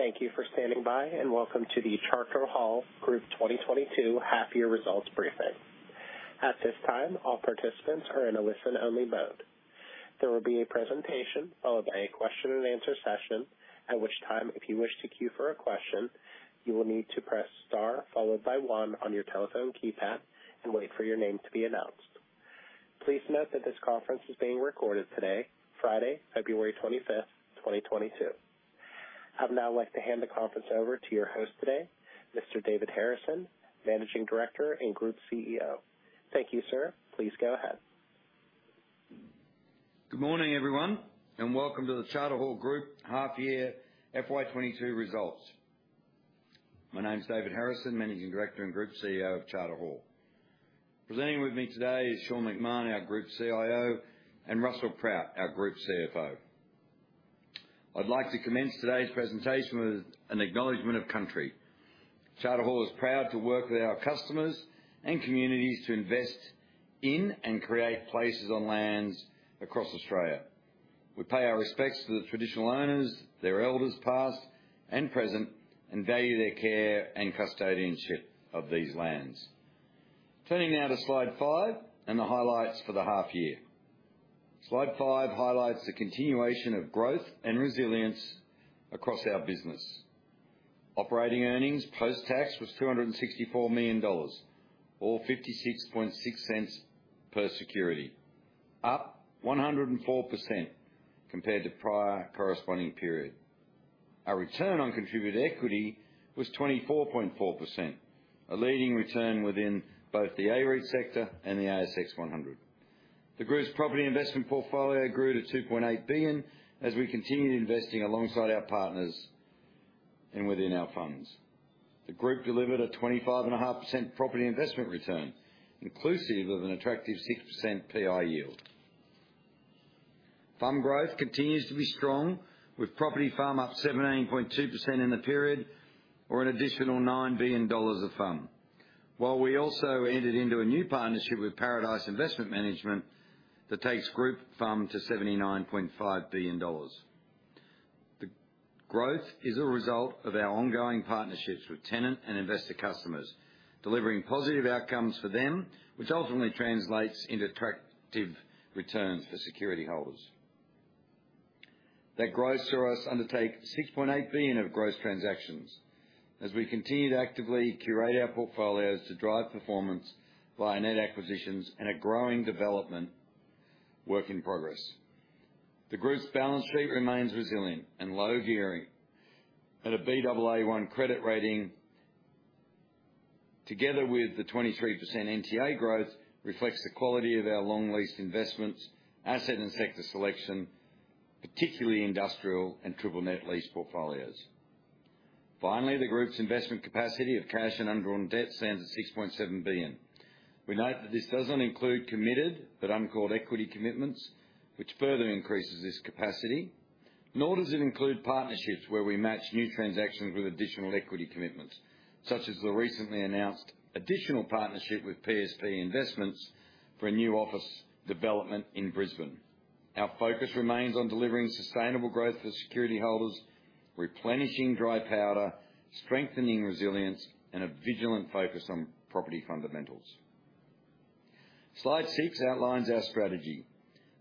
Thank you for standing by, and welcome to the Charter Hall Group 2022 half year results briefing. At this time, all participants are in a listen-only mode. There will be a presentation followed by a question and answer session, at which time, if you wish to queue for a question, you will need to press star followed by one on your telephone keypad and wait for your name to be announced. Please note that this conference is being recorded today, Friday, February 25, 2022. I'd now like to hand the conference over to your host today, Mr. David Harrison, Managing Director and Group CEO. Thank you, sir. Please go ahead. Good morning, everyone, and welcome to the Charter Hall Group half year FY 2022 results. My name's David Harrison, Managing Director and Group CEO of Charter Hall. Presenting with me today is Sean McMahon, our Group CIO, and Russell Proutt, our Group CFO. I'd like to commence today's presentation with an acknowledgment of country. Charter Hall is proud to work with our customers and communities to invest in and create places on lands across Australia. We pay our respects to the traditional owners, their elders, past and present, and value their care and custodianship of these lands. Turning now to slide five and the highlights for the half year. Slide five highlights the continuation of growth and resilience across our business. Operating earnings post-tax was 264 million dollars or 0.566 per security, up 104% compared to prior corresponding period. Our return on contributed equity was 24.4%, a leading return within both the AREIT sector and the ASX 100. The group's property investment portfolio grew to 2.8 billion as we continued investing alongside our partners and within our funds. The group delivered a 25.5% property investment return, inclusive of an attractive 6% PI yield. Fund growth continues to be strong, with property FUM up 17.2% in the period or an additional 9 billion dollars of FUM. While we also entered into a new partnership with Paradice Investment Management that takes group FUM to 79.5 billion dollars. The growth is a result of our ongoing partnerships with tenant and investor customers, delivering positive outcomes for them, which ultimately translates into attractive returns for security holders. That growth saw us undertake 6.8 billion of gross transactions as we continued to actively curate our portfolios to drive performance via net acquisitions and a growing development work in progress. The group's balance sheet remains resilient and low gearing at a Baa1 credit rating, together with the 23% NTA growth, reflects the quality of our long lease investments, asset and sector selection, particularly industrial and triple net lease portfolios. Finally, the group's investment capacity of cash and undrawn debt stands at 6.7 billion. We note that this doesn't include committed but uncalled equity commitments, which further increases this capacity, nor does it include partnerships where we match new transactions with additional equity commitments, such as the recently announced additional partnership with PSP Investments for a new office development in Brisbane. Our focus remains on delivering sustainable growth for security holders, replenishing dry powder, strengthening resilience, and a vigilant focus on property fundamentals. Slide six outlines our strategy.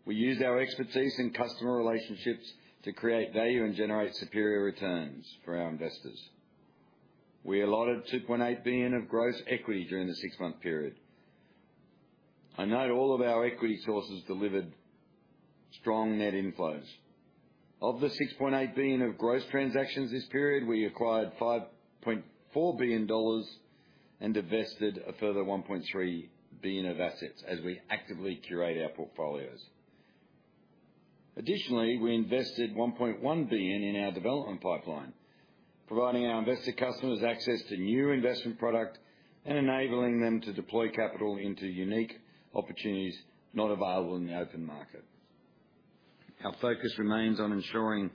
We use our expertise in customer relationships to create value and generate superior returns for our investors. We allotted 2.8 billion of gross equity during the six-month period. I note all of our equity sources delivered strong net inflows. Of the 6.8 billion of gross transactions this period, we acquired 5.4 billion dollars and divested a further 1.3 billion of assets as we actively curate our portfolios. Additionally, we invested 1.1 billion in our development pipeline, providing our invested customers access to new investment product and enabling them to deploy capital into unique opportunities not available in the open market. Our focus remains on ensuring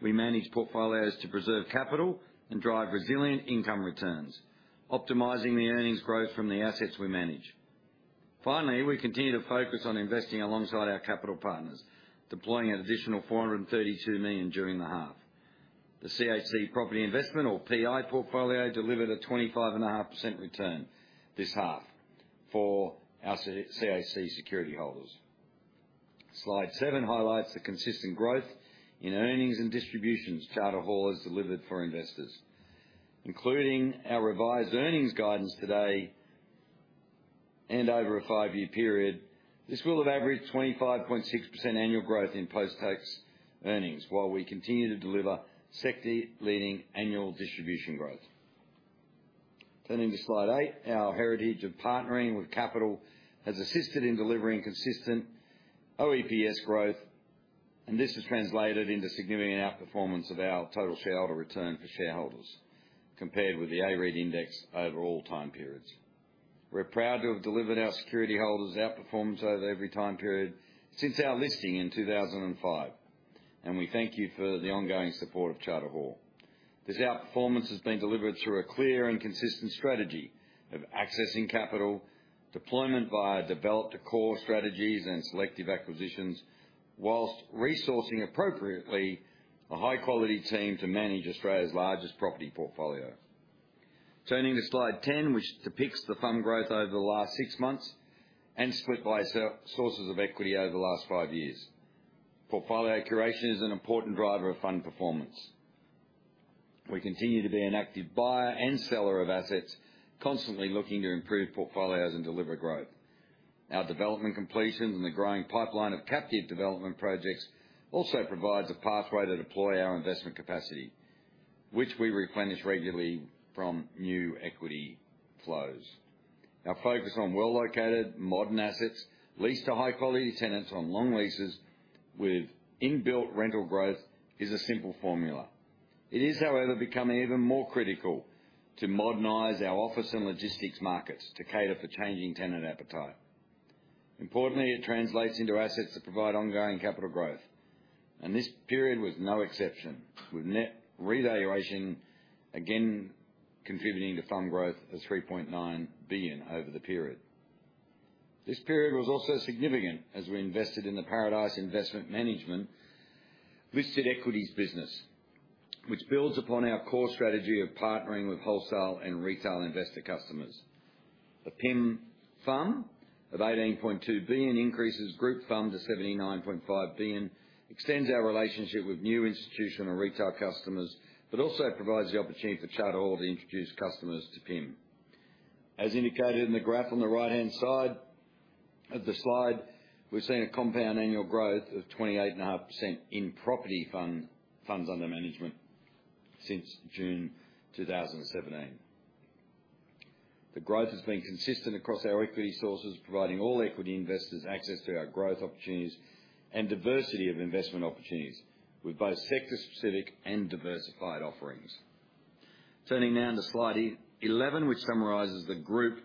we manage portfolios to preserve capital and drive resilient income returns, optimizing the earnings growth from the assets we manage. Finally, we continue to focus on investing alongside our capital partners, deploying an additional 432 million during the 1/2. The CHC property investment or PI portfolio delivered a 25.5% return this half for our CHC security holders. Slide seven highlights the consistent growth in earnings and distributions Charter Hall has delivered for investors. Including our revised earnings guidance today and over a five-year period, this will have averaged 25.6% annual growth in post-tax earnings, while we continue to deliver sector-leading annual distribution growth. Turning to slide eight. Our heritage of partnering with capital has assisted in delivering consistent OEPS growth, and this has translated into significant outperformance of our total shareholder return for shareholders compared with the AREIT index over all time periods. We're proud to have delivered our security holders outperformance over every time period since our listing in 2005, and we thank you for the ongoing support of Charter Hall. This outperformance has been delivered through a clear and consistent strategy of accessing capital, deployment via developed core strategies and selective acquisitions, while resourcing appropriately a high-quality team to manage Australia's largest property portfolio. Turning to slide 10, which depicts the fund growth over the last six months and split by sources of equity over the last five years. Portfolio curation is an important driver of fund performance. We continue to be an active buyer and seller of assets, constantly looking to improve portfolios and deliver growth. Our development completions and the growing pipeline of captive development projects also provides a pathway to deploy our investment capacity, which we replenish regularly from new equity flows. Our focus on well-located modern assets leased to high-quality tenants on long leases with inbuilt rental growth is a simple formula. It is, however, becoming even more critical to modernize our office and logistics markets to cater for changing tenant appetite. Importantly, it translates into assets that provide ongoing capital growth, and this period was no exception, with net revaluation again contributing to fund growth of 3.9 billion over the period. This period was also significant as we invested in the Paradice Investment Management listed equities business, which builds upon our core strategy of partnering with wholesale and retail investor customers. The PIM fund of 18.2 billion increases group fund to 79.5 billion, extends our relationship with new institutional retail customers, but also provides the opportunity for Charter Hall to introduce customers to PIM. As indicated in the graph on the right-hand side of the slide, we're seeing a compound annual growth of 28.5% in property fund, funds under management since June 2017. The growth has been consistent across our equity sources, providing all equity investors access to our growth opportunities and diversity of investment opportunities with both sector-specific and diversified offerings. Turning now to slide 11, which summarizes the group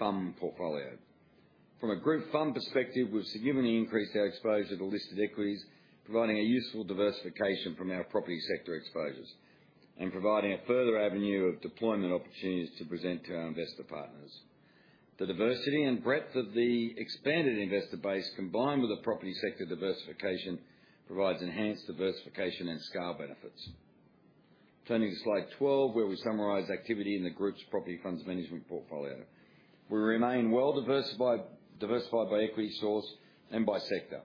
FUM portfolio. From a group FUM perspective, we've significantly increased our exposure to listed equities, providing a useful diversification from our property sector exposures and providing a further avenue of deployment opportunities to present to our investor partners. The diversity and breadth of the expanded investor base, combined with the property sector diversification, provides enhanced diversification and scale benefits. Turning to slide 12, where we summarize activity in the group's property funds management portfolio. We remain well diversified by equity source and by sector,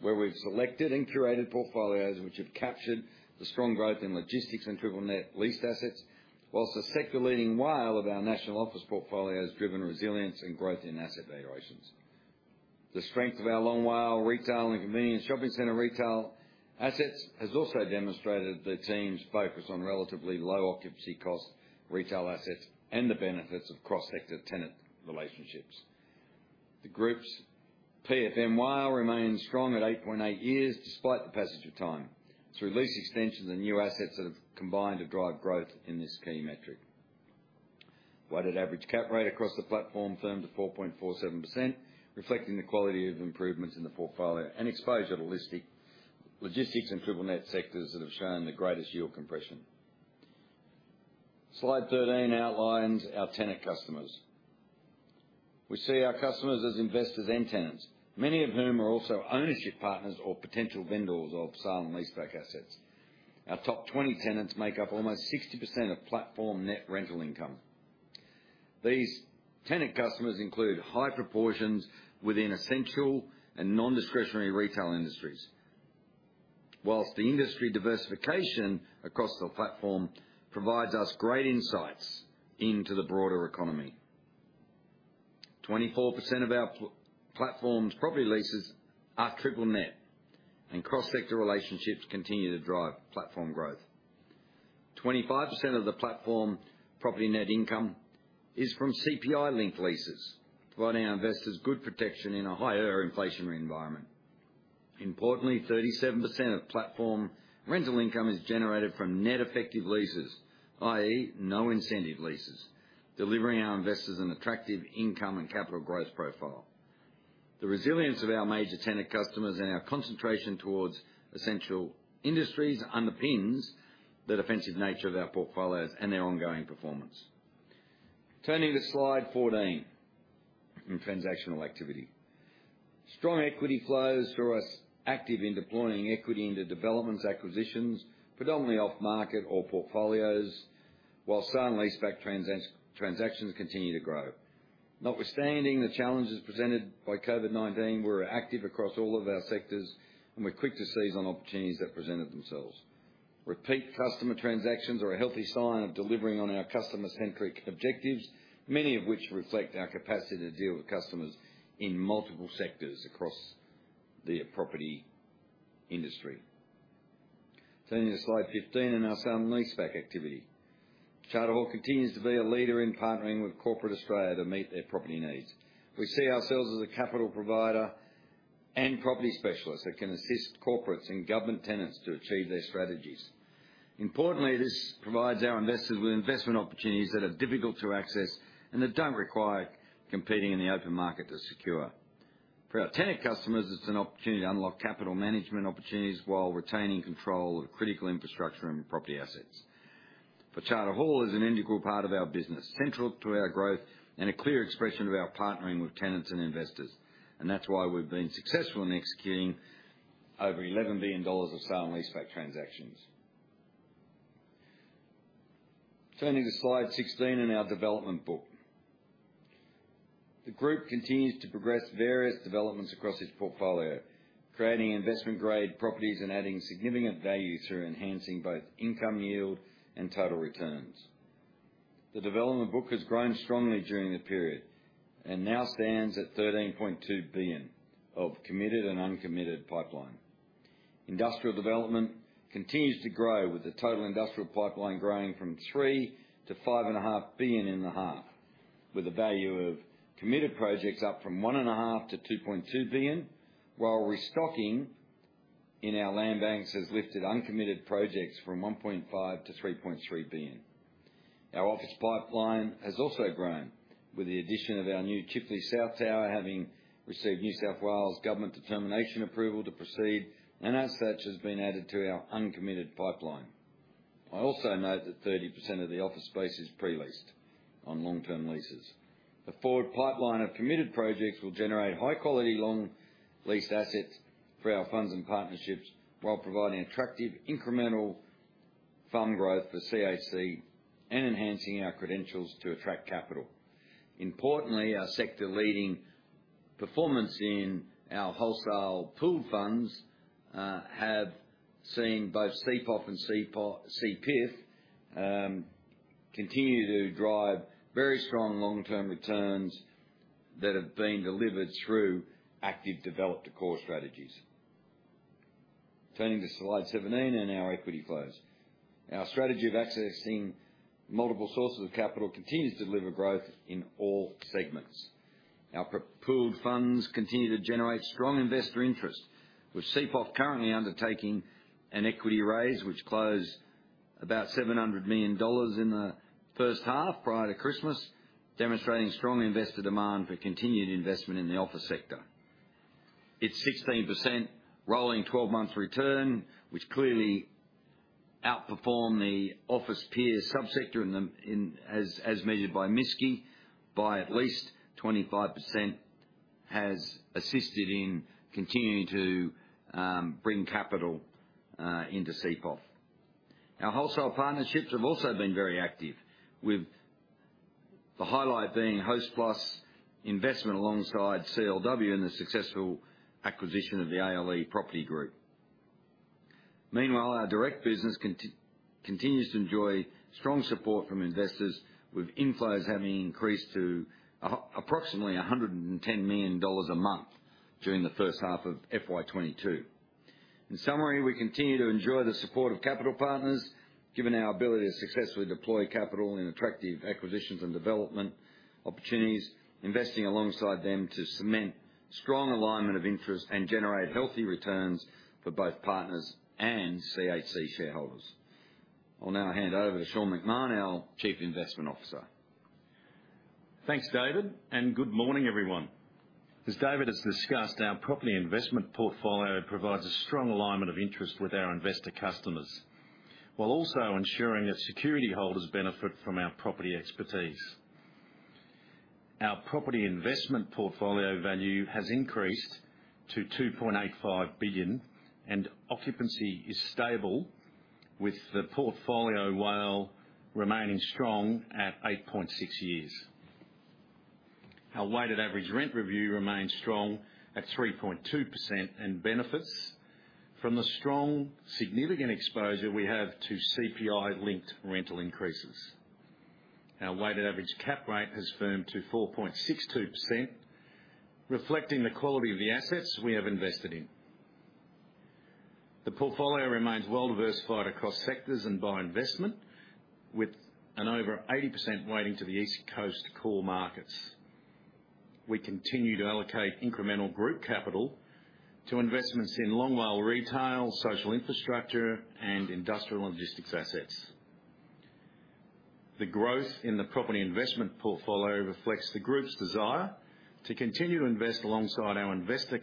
where we've selected and curated portfolios which have captured the strong growth in logistics and triple net leased assets, while the sector-leading WALE of our national office portfolio has driven resilience and growth in asset valuations. The strength of our long WALE retail and convenience shopping center retail assets has also demonstrated the team's focus on relatively low occupancy cost retail assets and the benefits of cross-sector tenant relationships. The group's PFM WALE remains strong at eight point eight years, despite the passage of time, through lease extensions and new assets that have combined to drive growth in this key metric. Weighted average cap rate across the platform from 4.47%, reflecting the quality of improvements in the portfolio and exposure to logistics and triple net sectors that have shown the greatest yield compression. Slide 13 outlines our tenant customers. We see our customers as investors and tenants, many of whom are also ownership partners or potential vendors of sale and leaseback assets. Our top 20 tenants make up almost 60% of platform net rental income. These tenant customers include high proportions within essential and non-discretionary retail industries. While the industry diversification across the platform provides us great insights into the broader economy. 24% of our platform's property leases are triple net, and cross-sector relationships continue to drive platform growth. 25% of the platform property net income is from CPI-linked leases, providing our investors good protection in a higher inflationary environment. Importantly, 37% of platform rental income is generated from net effective leases, i.e., no incentive leases, delivering our investors an attractive income and capital growth profile. The resilience of our major tenant customers and our concentration towards essential industries underpins the defensive nature of our portfolios and their ongoing performance. Turning to slide 14 in transactional activity. Strong equity flows through us, active in deploying equity into developments, acquisitions, predominantly off-market or portfolios, while sale and leaseback transactions continue to grow. Notwithstanding the challenges presented by COVID-19, we're active across all of our sectors, and we're quick to seize on opportunities that presented themselves. Repeat customer transactions are a healthy sign of delivering on our customer-centric objectives, many of which reflect our capacity to deal with customers in multiple sectors across the property industry. Turning to slide 15 in our sale and leaseback activity. Charter Hall continues to be a leader in partnering with corporate Australia to meet their property needs. We see ourselves as a capital provider and property specialist that can assist corporates and government tenants to achieve their strategies. Importantly, this provides our investors with investment opportunities that are difficult to access and that don't require competing in the open market to secure. For our tenant customers, it's an opportunity to unlock capital management opportunities while retaining control of critical infrastructure and property assets. For Charter Hall, it's an integral part of our business, central to our growth and a clear expression of our partnering with tenants and investors. That's why we've been successful in executing over 11 billion dollars of sale and leaseback transactions. Turning to slide 16 in our development book. The group continues to progress various developments across its portfolio, creating investment grade properties and adding significant value through enhancing both income yield and total returns. The development book has grown strongly during the period and now stands at 13.2 billion of committed and uncommitted pipeline. Industrial development continues to grow with the total industrial pipeline growing from 3 billion to 5.5 billion in the half, with a value of committed projects up from 1.5 billion to 2.2 billion, while restocking in our land banks has lifted uncommitted projects from 1.5 billion to 3.3 billion. Our office pipeline has also grown with the addition of our new Chifley South Tower, having received New South Wales Gateway determination approval to proceed, and as such, has been added to our uncommitted pipeline. I also note that 30% of the office space is pre-leased on long-term leases. The forward pipeline of committed projects will generate high quality long leased assets for our funds and partnerships while providing attractive incremental fund growth for CHC and enhancing our credentials to attract capital. Importantly, our sector leading performance in our wholesale pooled funds have seen both CPOF and CPIF continue to drive very strong long-term returns that have been delivered through active develop to core strategies. Turning to slide 17 and our equity flows. Our strategy of accessing multiple sources of capital continues to deliver growth in all segments. Our pooled funds continue to generate strong investor interest, with CPOF currently undertaking an equity raise, which closed about 700 million dollars in the H1 prior to Christmas, demonstrating strong investor demand for continued investment in the office sector. It's 16% rolling 12 months return, which clearly outperformed the office peer subsector as measured by MSCI by at least 25%, has assisted in continuing to bring capital into CPOF. Our wholesale partnerships have also been very active, with the highlight being Hostplus investment alongside CLW in the successful acquisition of the ALE Property Group. Meanwhile, our direct business continues to enjoy strong support from investors, with inflows having increased to approximately 110 million dollars a month during the H1 of FY 2022. In summary, we continue to enjoy the support of capital partners, given our ability to successfully deploy capital in attractive acquisitions and development opportunities, investing alongside them to cement strong alignment of interests and generate healthy returns for both partners and CHC shareholders. I'll now hand over to Sean McMahon, our Chief Investment Officer. Thanks, David, and good morning, everyone. As David has discussed, our property investment portfolio provides a strong alignment of interest with our investor customers, while also ensuring that security holders benefit from our property expertise. Our property investment portfolio value has increased to 2.85 billion and occupancy is stable with the portfolio WALE remaining strong at eight point six years. Our weighted average rent review remains strong at 3.2% and benefits from the strong, significant exposure we have to CPI-linked rental increases. Our weighted average cap rate has firmed to 4.62%, reflecting the quality of the assets we have invested in. The portfolio remains well-diversified across sectors and by investment, with an over 80% weighting to the East Coast core markets. We continue to allocate incremental group capital to investments in Long WALE retail, social infrastructure, and industrial logistics assets. The growth in the property investment portfolio reflects the group's desire to continue to invest alongside our investor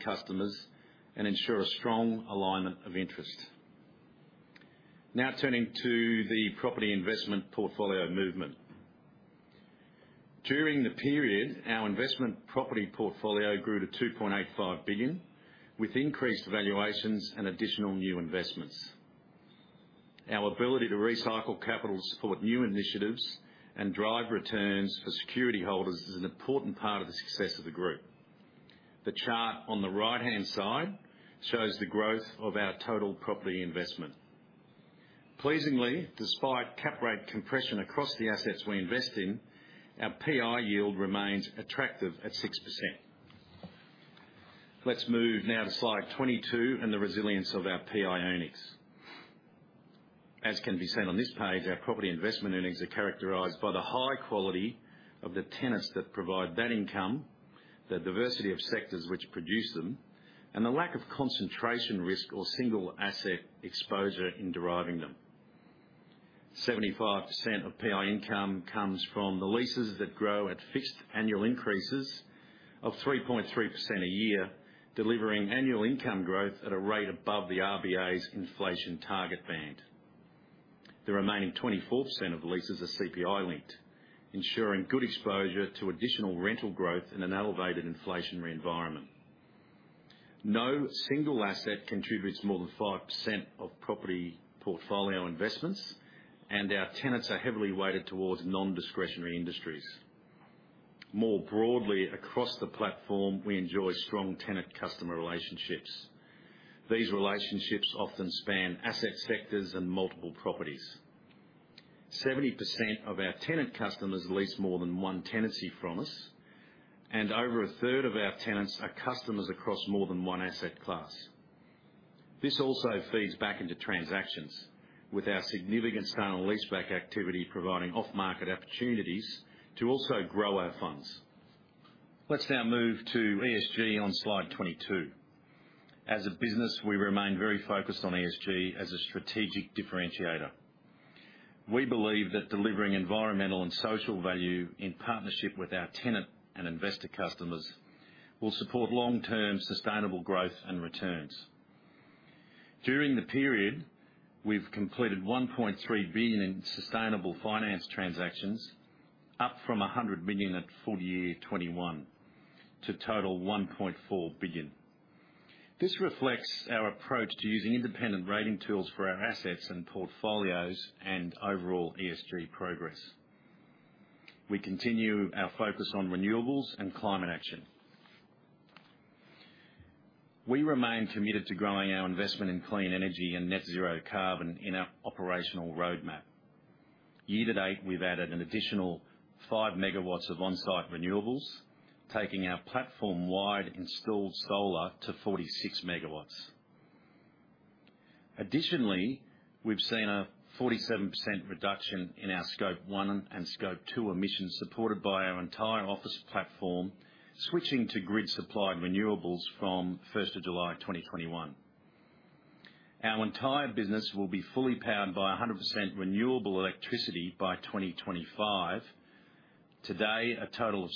customers and ensure a strong alignment of interest. Now turning to the property investment portfolio movement. During the period, our investment property portfolio grew to 2.85 billion, with increased valuations and additional new investments. Our ability to recycle capital to support new initiatives and drive returns for security holders is an important part of the success of the group. The chart on the right-hand side shows the growth of our total property investment. Pleasingly, despite cap rate compression across the assets we invest in, our PI yield remains attractive at 6%. Let's move now to slide 22 and the resilience of our PI earnings. As can be seen on this page, our property investment earnings are characterized by the high quality of the tenants that provide that income, the diversity of sectors which produce them, and the lack of concentration risk or single asset exposure in deriving them. 75% of PI income comes from the leases that grow at fixed annual increases of 3.3% a year, delivering annual income growth at a rate above the RBA's inflation target band. The remaining 24% of leases are CPI linked, ensuring good exposure to additional rental growth in an elevated inflationary environment. No single asset contributes more than 5% of property portfolio investments, and our tenants are heavily weighted towards non-discretionary industries. More broadly, across the platform, we enjoy strong tenant-customer relationships. These relationships often span asset sectors and multiple properties. 70% of our tenant customers lease more than one tenancy from us, and over a 1/3 of our tenants are customers across more than one asset class. This also feeds back into transactions with our significant sale and leaseback activity, providing off-market opportunities to also grow our funds. Let's now move to ESG on slide 22. As a business, we remain very focused on ESG as a strategic differentiator. We believe that delivering environmental and social value in partnership with our tenant and investor customers will support long-term sustainable growth and returns. During the period, we've completed 1.3 billion in sustainable finance transactions, up from 100 million at full year 2021 to total 1.4 billion. This reflects our approach to using independent rating tools for our assets and portfolios and overall ESG progress. We continue our focus on renewables and climate action. We remain committed to growing our investment in clean energy and net zero carbon in our operational roadmap. Year to date, we've added an additional 5 MW of on-site renewables, taking our platform-wide installed solar to 46 MW. Additionally, we've seen a 47% reduction in our Scope 1 and Scope 2 emissions, supported by our entire office platform switching to grid-supplied renewables from July 1, 2021. Our entire business will be fully powered by 100% renewable electricity by 2025. Today, a total of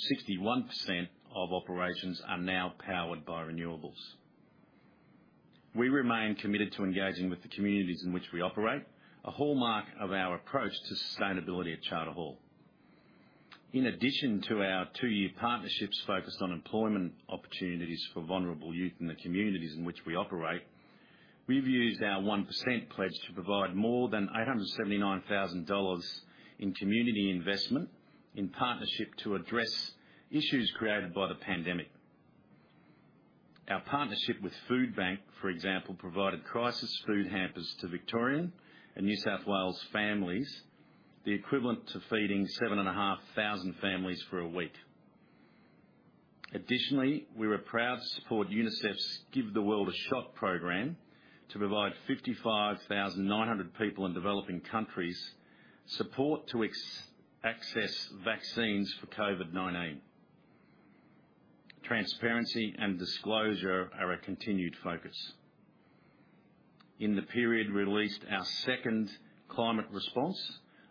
61% of operations are now powered by renewables. We remain committed to engaging with the communities in which we operate, a hallmark of our approach to sustainability at Charter Hall. In addition to our two-year partnerships focused on employment opportunities for vulnerable youth in the communities in which we operate, we've used our 1% pledge to provide more than 879,000 dollars in community investment in partnership to address issues created by the pandemic. Our partnership with Foodbank, for example, provided crisis food hampers to Victorian and New South Wales families, the equivalent to feeding 7,500 families for a week. Additionally, we were proud to support UNICEF's Give the World a Shot program to provide 55,900 people in developing countries support to access vaccines for COVID-19. Transparency and disclosure are a continued focus. In the period, we released our second climate response,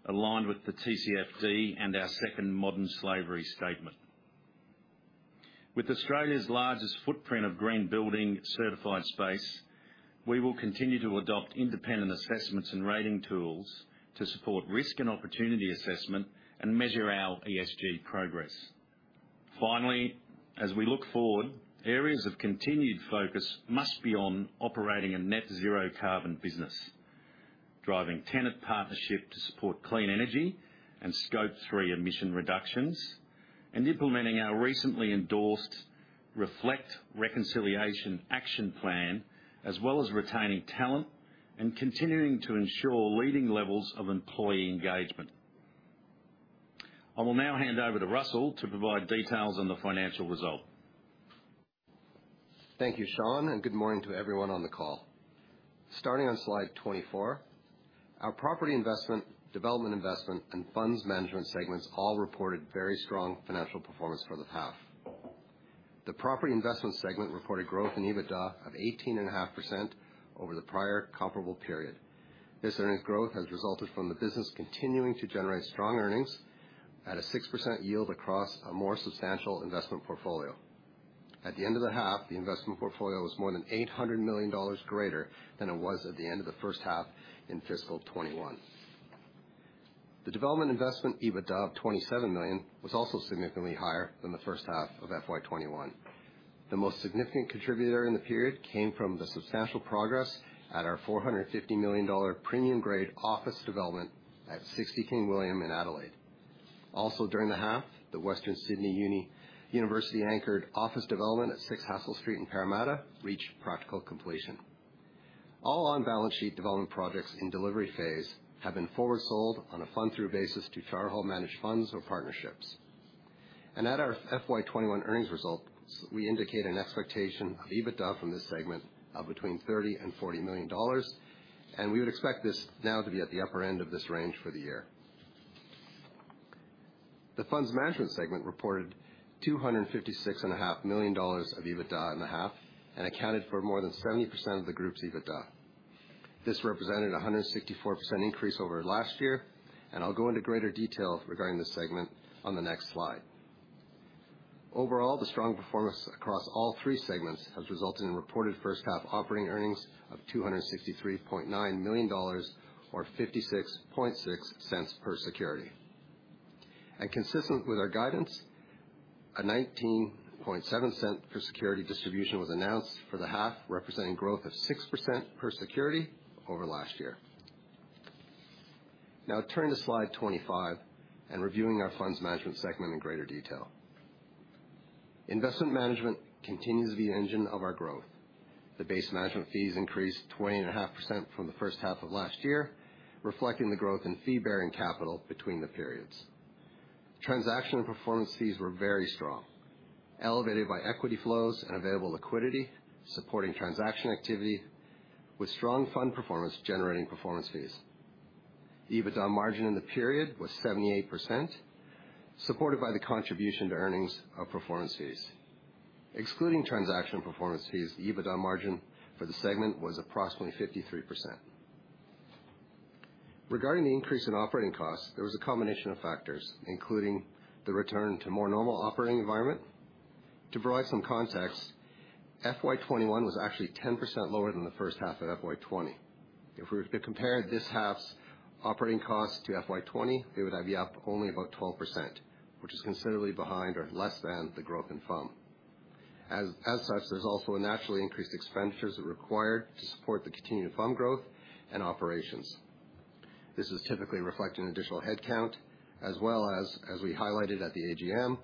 aligned with the TCFD and our second modern slavery statement. With Australia's largest footprint of green building certified space, we will continue to adopt independent assessments and rating tools to support risk and opportunity assessment and measure our ESG progress. Finally, as we look forward, areas of continued focus must be on operating a net zero carbon business, driving tenant partnership to support clean energy and Scope 3 emission reductions, and implementing our recently endorsed Reflect Reconciliation Action Plan, as well as retaining talent and continuing to ensure leading levels of employee engagement. I will now hand over to Russell to provide details on the financial result. Thank you, Sean, and good morning to everyone on the call. Starting on slide 24. Our property investment, development investment, and funds management segments all reported very strong financial performance for the half. The property investment segment reported growth in EBITDA of 18.5% over the prior comparable period. This earnings growth has resulted from the business continuing to generate strong earnings at a 6% yield across a more substantial investment portfolio. At the end of the half, the investment portfolio was more than 800 million dollars greater than it was at the end of the H1 of FY 2021. The development investment EBITDA of 27 million was also significantly higher than the H1 of FY 2021. The most significant contributor in the period came from the substantial progress at our 450 million dollar premium-grade office development at 60 King William in Adelaide. Also, during the half, the Western Sydney University anchored office development at six Hassell Street in Parramatta reached practical completion. All on-balance sheet development projects in delivery phase have been forward sold on a fund-through basis to Charter Hall managed funds or partnerships. At our FY 2021 earnings results, we indicate an expectation of EBITDA from this segment of between 30 million and 40 million dollars, and we would expect this now to be at the upper end of this range for the year. The funds management segment reported 256.5 million dollars of EBITDA in the half and accounted for more than 70% of the group's EBITDA. This represented a 164% increase over last year, and I'll go into greater detail regarding this segment on the next slide. Overall, the strong performance across all three segments has resulted in reported H1 operating earnings of 263.9 million dollars or 0.566 per security. Consistent with our guidance, a 0.197 per security distribution was announced for the half, representing growth of 6% per security over last year. Now turning to slide 25 and reviewing our funds management segment in greater detail. Investment management continues the engine of our growth. The base management fees increased 20.5% from the H1 of last year, reflecting the growth in fee-bearing capital between the periods. Transaction performance fees were very strong, elevated by equity flows and available liquidity, supporting transaction activity with strong fund performance generating performance fees. EBITDA margin in the period was 78%, supported by the contribution to earnings of performance fees. Excluding transaction performance fees, EBITDA margin for the segment was approximately 53%. Regarding the increase in operating costs, there was a combination of factors, including the return to more normal operating environment. To provide some context, FY 2021 was actually 10% lower than the H1 of FY 2020. If we were to compare this half's operating costs to FY 2020, they would have been up only about 12%, which is considerably behind or less than the growth in FUM. As such, there's also a naturally increased expenditures required to support the continued FUM growth and operations. This is typically reflecting additional headcount as well as we highlighted at the AGM,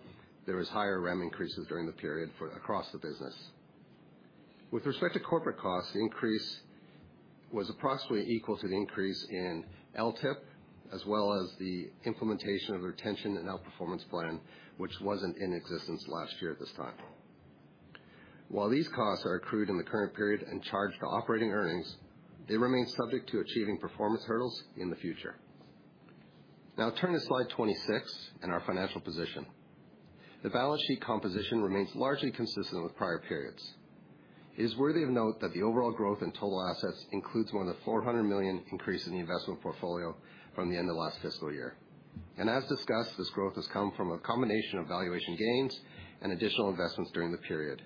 there was higher REM increases during the period across the business. With respect to corporate costs, the increase was approximately equal to the increase in LTIP, as well as the implementation of a retention and outperformance plan, which wasn't in existence last year at this time. While these costs are accrued in the current period and charged to operating earnings, they remain subject to achieving performance hurdles in the future. Now turning to slide 26 and our financial position. The balance sheet composition remains largely consistent with prior periods. It is worthy of note that the overall growth in total assets includes more than 400 million increase in the investment portfolio from the end of last fiscal year. As discussed, this growth has come from a combination of valuation gains and additional investments during the period.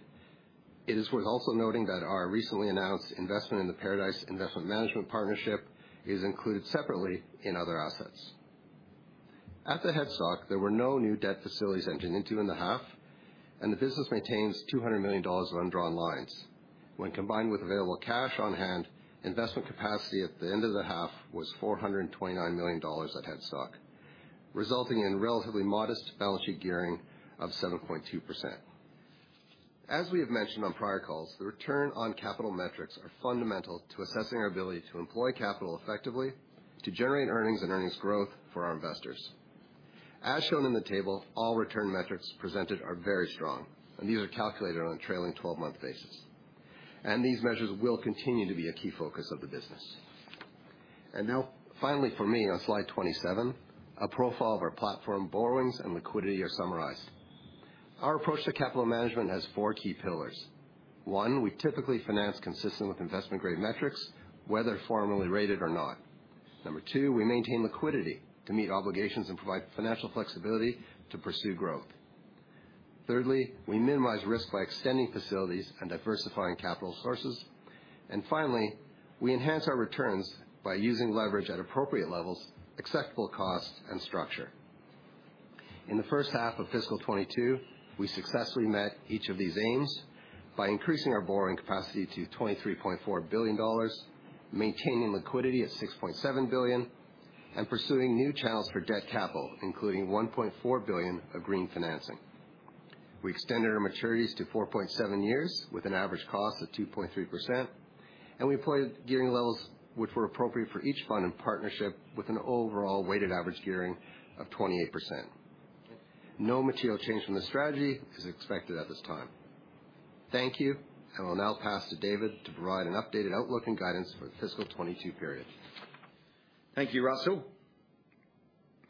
It is worth also noting that our recently announced investment in the Paradice Investment Management Partnership is included separately in other assets. At the holdco, there were no new debt facilities entered into in the half, and the business maintains 200 million dollars of undrawn lines. When combined with available cash on hand, investment capacity at the end of the half was 429 million dollars at holdco, resulting in relatively modest balance sheet gearing of 7.2%. As we have mentioned on prior calls, the return on capital metrics are fundamental to assessing our ability to employ capital effectively to generate earnings and earnings growth for our investors. As shown in the table, all return metrics presented are very strong, and these are calculated on a trailing 12-month basis. These measures will continue to be a key focus of the business. Now finally, for me, on slide 27, a profile of our platform borrowings and liquidity are summarized. Our approach to capital management has four key pillars. One, we typically finance consistent with investment-grade metrics, whether formally rated or not. Two, we maintain liquidity to meet obligations and provide financial flexibility to pursue growth. Thirdly, we minimize risk by extending facilities and diversifying capital sources. Finally, we enhance our returns by using leverage at appropriate levels, acceptable cost, and structure. In the H1 of FY 2022, we successfully met each of these aims by increasing our borrowing capacity to 23.4 billion dollars, maintaining liquidity at 6.7 billion, and pursuing new channels for debt capital, including 1.4 billion of green financing. We extended our maturities to four point seven years with an average cost of 2.3%, and we employed gearing levels which were appropriate for each fund and partnership with an overall weighted average gearing of 28%. No material change from the strategy is expected at this time. Thank you. I will now pass to David to provide an updated outlook and guidance for the FY 2022 period. Thank you, Russell.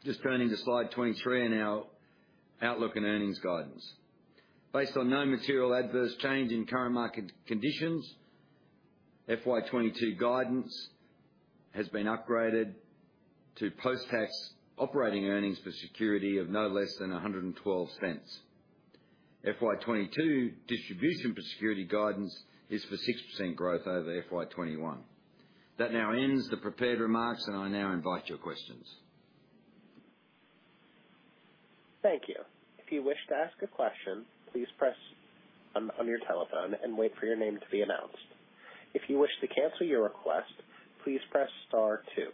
Just turning to slide 23 and our outlook and earnings guidance. Based on no material adverse change in current market conditions, FY 2022 guidance has been upgraded to post-tax operating earnings per security of no less than 1.12. FY 2022 distribution per security guidance is for 6% growth over FY 2021. That now ends the prepared remarks, and I now invite your questions. Thank you. If you wish to ask a question, please press star one on your telephone and wait for your name to be announced. If you wish to cancel your request, please press star two.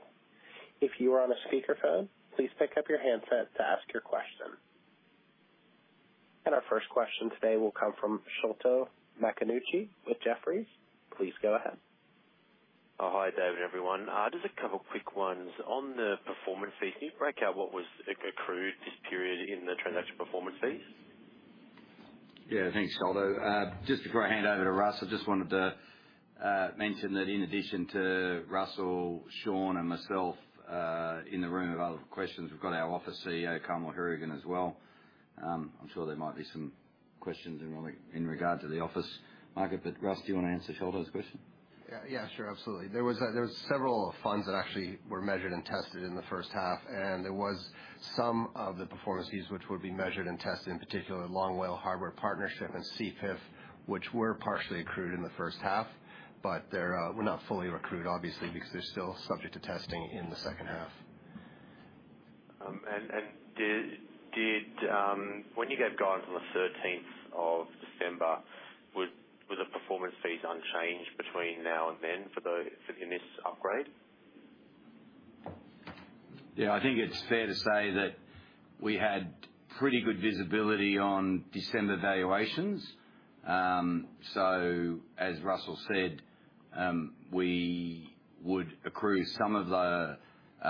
If you are on a speakerphone, please pick up your handset to ask your question. Our first question today will come from Sholto Maconochie with Jefferies. Please go ahead. Oh, hi, David, everyone. Just a couple quick ones. On the performance fee, can you break out what was accrued this period in the transaction performance fees? Yeah, thanks, Sholto. Just before I hand over to Russell, I just wanted to mention that in addition to Russell, Sean, and myself, in the room available for questions, we've got our Office CEO, Carmel Hourigan, as well. I'm sure there might be some questions in regards to the office market. Russell, do you wanna answer Sholto's question? Yeah, sure, absolutely. There was several funds that actually were measured and tested in the H1, and there was some of the performance fees which would be measured and tested, in particular, Long WALE Hardware Partnership and CPIF, which were partially accrued in the H1. They were not fully accrued, obviously, because they're still subject to testing in the H2. When you get going from the 13 December, will the performance fees unchanged between now and then for the NTA upgrade? Yeah, I think it's fair to say that we had pretty good visibility on December valuations. As Russell said, we would accrue some of the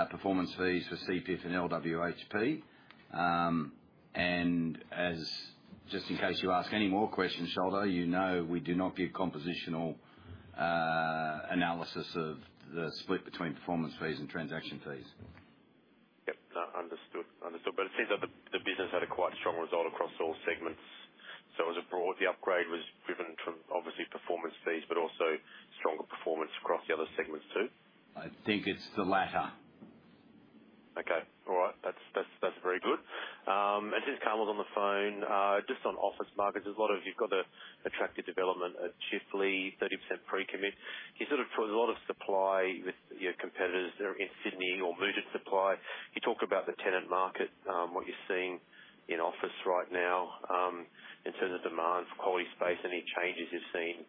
performance fees for CPIF and LWHP. Just in case you ask any more questions, Sholto Maconochie, you know we do not give compositional analysis of the split between performance fees and transaction fees. Yep. No, understood. It seems that the business had a quite strong result across all segments. Across the board, the upgrade was driven by obviously performance fees, but also stronger performance across the other segments, too? I think it's the latter. Okay. All right. That's very good. I see Carmel is on the phone. Just on office markets, there's a lot of you've got the attractive development at Chifley, 30% pre-commit. You sort of put a lot of supply with your competitors in Sydney or mooted supply. Can you talk about the tenant market, what you're seeing in office right now, in terms of demand for quality space, any changes you've seen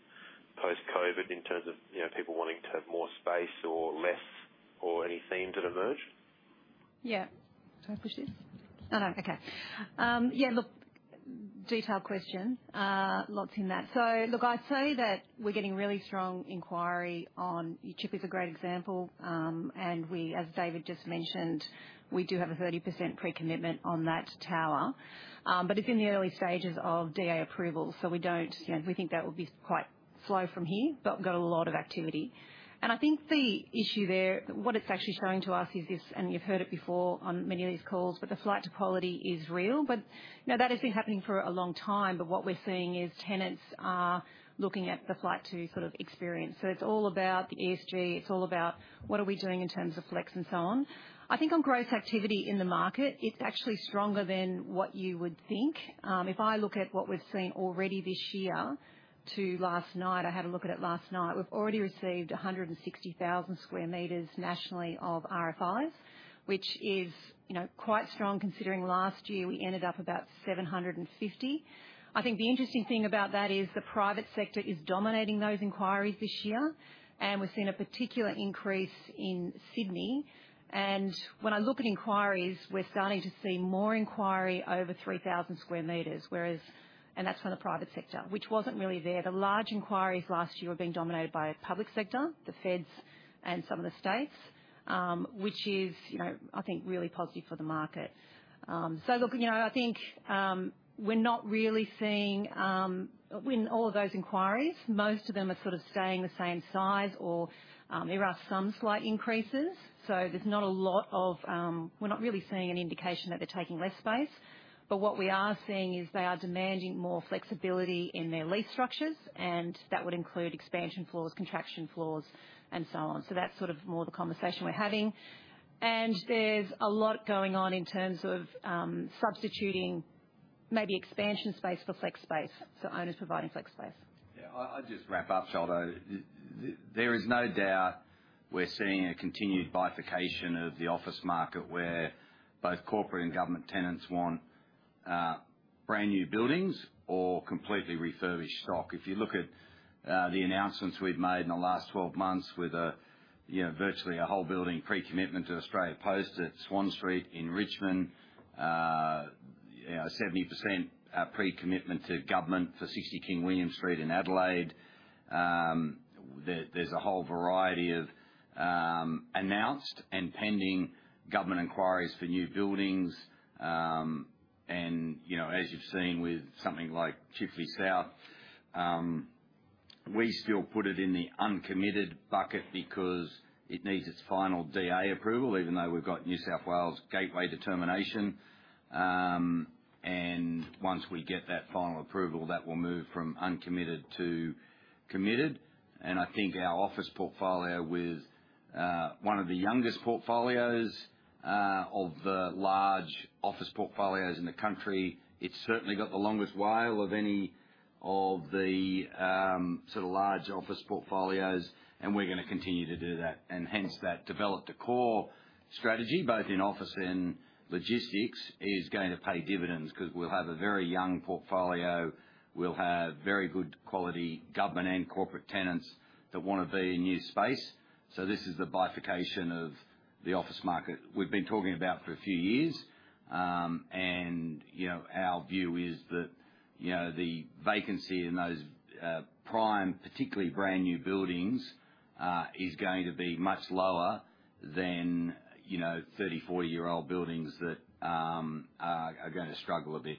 post-COVID in terms of, you know, people wanting to have more space or less or any themes that emerge? Look, detailed question. Lots in that. I'd say that we're getting really strong inquiry on Chifley is a great example. As David just mentioned, we do have a 30% pre-commitment on that tower. But it's in the early stages of DA approval. We don't think that will be quite slow from here, but got a lot of activity. I think the issue there, what it's actually showing to us is this, you've heard it before on many of these calls, the flight to quality is real. Now that has been happening for a long time. What we're seeing is tenants are looking at the flight to sort of experience. It's all about the ESG. It's all about what we're doing in terms of flex and so on. I think on growth activity in the market, it's actually stronger than what you would think. If I look at what we've seen already this year up to last night, I had a look at it last night. We've already received 160,000 sq m nationally of RFIs, which is, you know, quite strong considering last year we ended up about 750. I think the interesting thing about that is the private sector is dominating those inquiries this year, and we've seen a particular increase in Sydney. When I look at inquiries, we're starting to see more inquiries over 3,000 sq m. That's from the private sector, which wasn't really there. The large inquiries last year were being dominated by public sector, the feds and some of the states, which is, you know, I think really positive for the market. Look, you know, I think we're not really seeing, when all of those inquiries, most of them are sort of staying the same size or there are some slight increases. We're not really seeing any indication that they're taking less space. What we are seeing is they are demanding more flexibility in their lease structures, and that would include expansion floors, contraction floors, and so on. That's sort of more the conversation we're having. There's a lot going on in terms of substituting maybe expansion space for flex space, so owners providing flex space. I'll just wrap up, Sholto. There is no doubt we're seeing a continued bifurcation of the office market where both corporate and government tenants want brand-new buildings or completely refurbished stock. If you look at the announcements we've made in the last 12 months with you know, virtually a whole building pre-commitment to Australia Post at Swan Street in Richmond. You know, 70% pre-commitment to government for 60 King William Street in Adelaide. There's a whole variety of announced and pending government inquiries for new buildings. You know, as you've seen with something like Chifley South, we still put it in the uncommitted bucket because it needs its final DA approval, even though we've got New South Wales Gateway determination. Once we get that final approval, that will move from uncommitted to committed. I think our office portfolio is one of the youngest portfolios of the large office portfolios in the country. It's certainly got the longest WALE of any of the sort of large office portfolios, and we're gonna continue to do that. Hence that develop-to-core strategy, both in office and logistics, is going to pay dividends because we'll have a very young portfolio. We'll have very good quality government and corporate tenants that wanna be in new space. This is the bifurcation of the office market we've been talking about for a few years. You know, our view is that you know, the vacancy in those prime, particularly brand-new buildings is going to be much lower than you know, 30-year,40-year-old buildings that are gonna struggle a bit.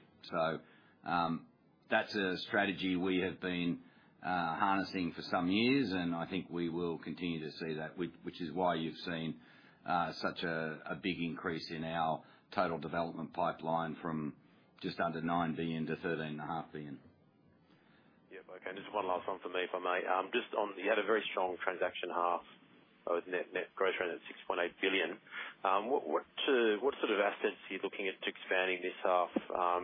That's a strategy we have been harnessing for some years, and I think we will continue to see that, which is why you've seen such a big increase in our total development pipeline from just under 9 billion to 13.5 billion. Just one last one for me, if I may. Just on, you had a very strong transaction half with net growth around 6.8 billion. What sort of assets are you looking at to expanding this half?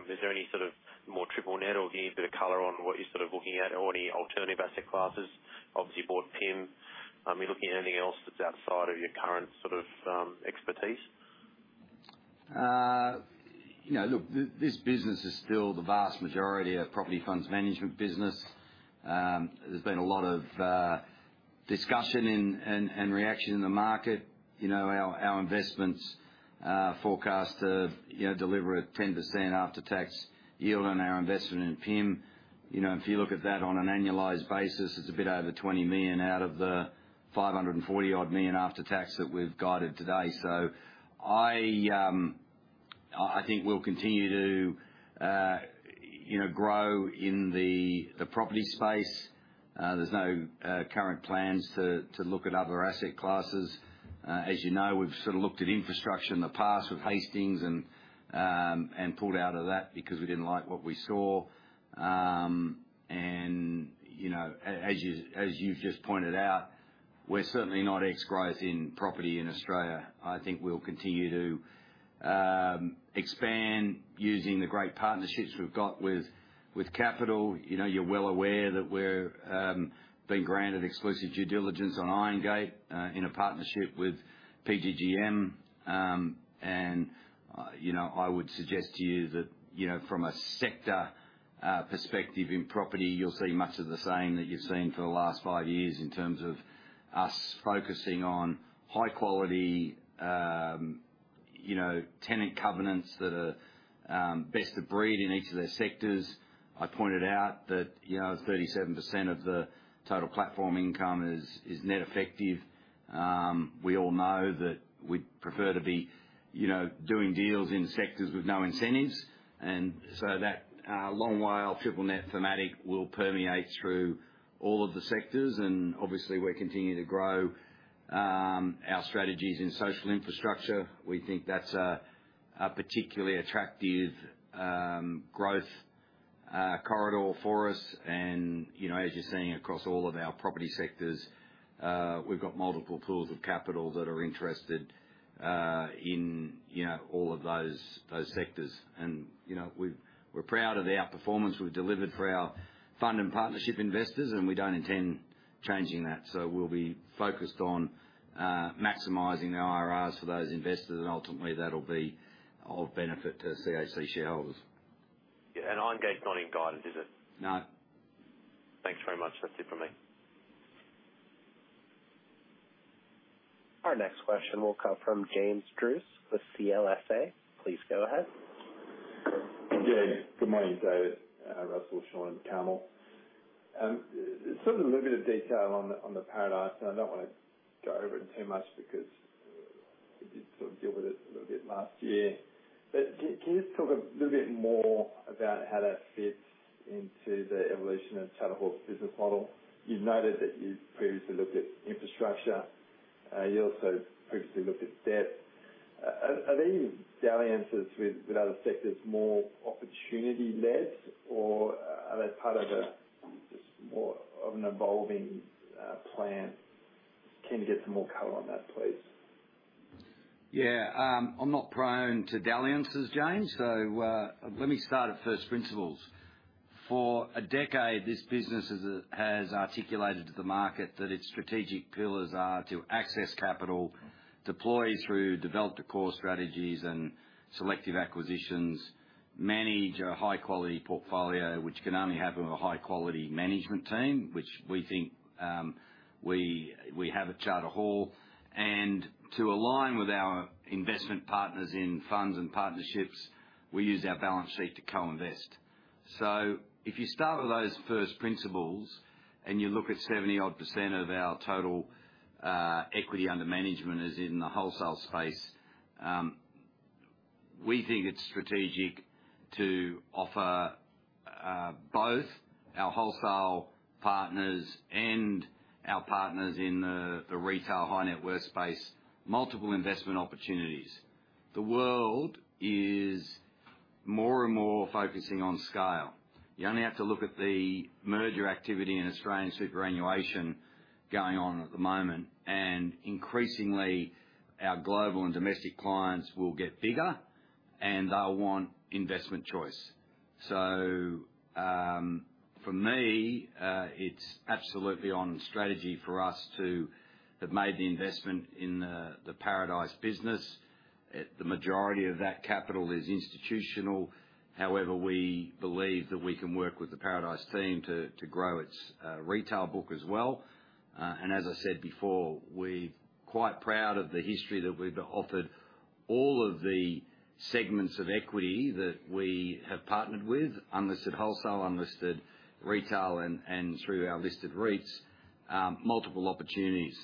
Is there any sort of more triple net or can you give a bit of color on what you're sort of looking at or any alternative asset classes? Obviously you bought PIM. Are you looking at anything else that's outside of your current sort of expertise? You know, look, this business is still the vast majority of property funds management business. There's been a lot of discussion and reaction in the market. You know, our investments forecast to deliver a 10% after-tax yield on our investment in PIM. You know, if you look at that on an annualized basis, it's a bit over 20 million out of the 540 odd million after tax that we've guided today. I think we'll continue to grow in the property space. There's no current plans to look at other asset classes. As you know, we've sort of looked at infrastructure in the past with Hastings and pulled out of that because we didn't like what we saw. You know, as you've just pointed out, we're certainly not ex-growth in property in Australia. I think we'll continue to expand using the great partnerships we've got with Capital. You know, you're well aware that we're being granted exclusive due diligence on Irongate in a partnership with PGGM. You know, I would suggest to you that, you know, from a sector perspective in property, you'll see much of the same that you've seen for the last five years in terms of us focusing on high quality tenant covenants that are best of breed in each of their sectors. I pointed out that, you know, 37% of the total platform income is net effective. We all know that we'd prefer to be, you know, doing deals in sectors with no incentives, and so that long life triple net thematic will permeate through all of the sectors. Obviously we're continuing to grow our strategies in social infrastructure. We think that's a particularly attractive growth corridor for us. You know, as you're seeing across all of our property sectors, we've got multiple pools of capital that are interested in, you know, all of those sectors. You know, we're proud of the outperformance we've delivered for our fund and partnership investors, and we don't intend changing that. We'll be focused on maximizing the IRRs for those investors, and ultimately that'll be of benefit to CHC shareholders. Yeah. Irongate's not in guidance, is it? No. Thanks very much. That's it from me. Our next question will come from James Druce with CLSA. Please go ahead. Yeah. Good morning, David, Russell, Sean, and Carmel. Sort of a little bit of detail on the Paradice, and I don't wanna go over it too much because we did sort of deal with it a little bit last year. Can you just talk a little bit more about how that fits into the evolution of Charter Hall's business model? You've noted that you previously looked at infrastructure. You also previously looked at debt. Are these dalliances with other sectors more opportunity led or are they part of just more of an evolving plan? Can we get some more color on that, please? Yeah. I'm not prone to dalliances, James, so let me start at first principles. For a decade, this business has articulated to the market that its strategic pillars are to access capital, deploy through developer core strategies and selective acquisitions, manage a high quality portfolio, which can only happen with a high quality management team, which we think we have at Charter Hall. To align with our investment partners in funds and partnerships, we use our balance sheet to co-invest. If you start with those first principles and you look at 70-odd% of our total equity under management is in the wholesale space, we think it's strategic to offer both our wholesale partners and our partners in the retail high net worth space, multiple investment opportunities. The world is more and more focusing on scale. You only have to look at the merger activity in Australian superannuation going on at the moment, and increasingly our global and domestic clients will get bigger, and they'll want investment choice. For me, it's absolutely on strategy for us to have made the investment in the Paradice business. The majority of that capital is institutional. However, we believe that we can work with the Paradice team to grow its retail book as well. As I said before, we're quite proud of the history that we've offered all of the segments of equity that we have partnered with, unlisted wholesale, unlisted retail, and through our listed REITs, multiple opportunities.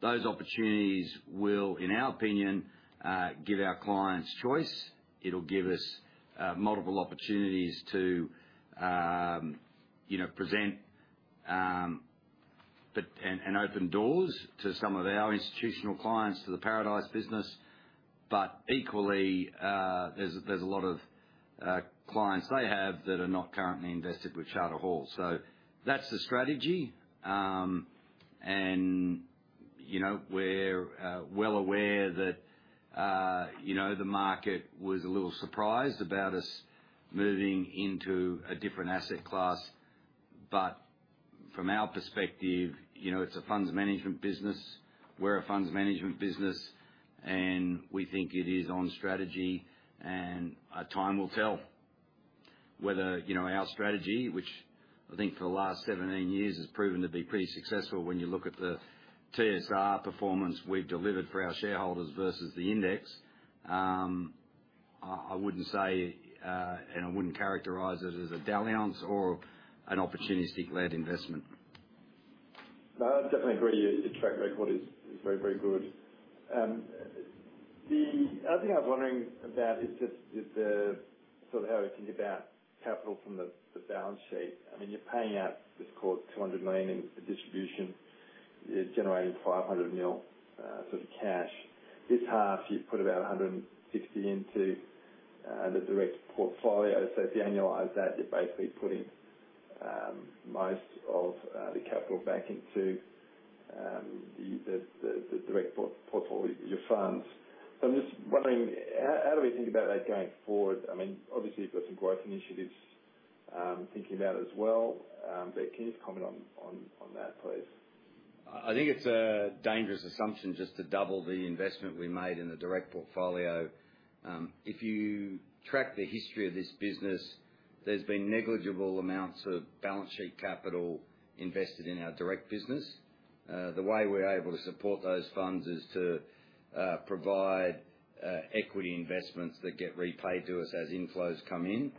Those opportunities will, in our opinion, give our clients choice. It'll give us multiple opportunities to, you know, present and open doors to some of our institutional clients to the Paradice business. Equally, there's a lot of clients they have that are not currently invested with Charter Hall. That's the strategy. You know, we're well aware that, you know, the market was a little surprised about us moving into a different asset class. From our perspective, you know, it's a funds management business. We're a funds management business, and we think it is on strategy. Time will tell whether, you know, our strategy, which I think for the last 17 years has proven to be pretty successful when you look at the TSR performance we've delivered for our shareholders versus the index. I wouldn't say and I wouldn't characterize it as a dalliance or an opportunistic-led investment. No, I definitely agree. Your track record is very, very good. The other thing I was wondering about is just the sort of how we think about capital from the balance sheet. I mean, you're paying out, as you called, 200 million in distribution. You're generating 500 million sort of cash. This half you've put about 160 into the direct portfolio. So if you annualize that, you're basically putting most of the capital back into the direct portfolio, your funds. So I'm just wondering how do we think about that going forward? I mean, obviously you've got some growth initiatives thinking about as well. Can you just comment on that please? I think it's a dangerous assumption just to double the investment we made in the direct portfolio. If you track the history of this business, there's been negligible amounts of balance sheet capital invested in our direct business. The way we're able to support those funds is to provide equity investments that get repaid to us as inflows come in,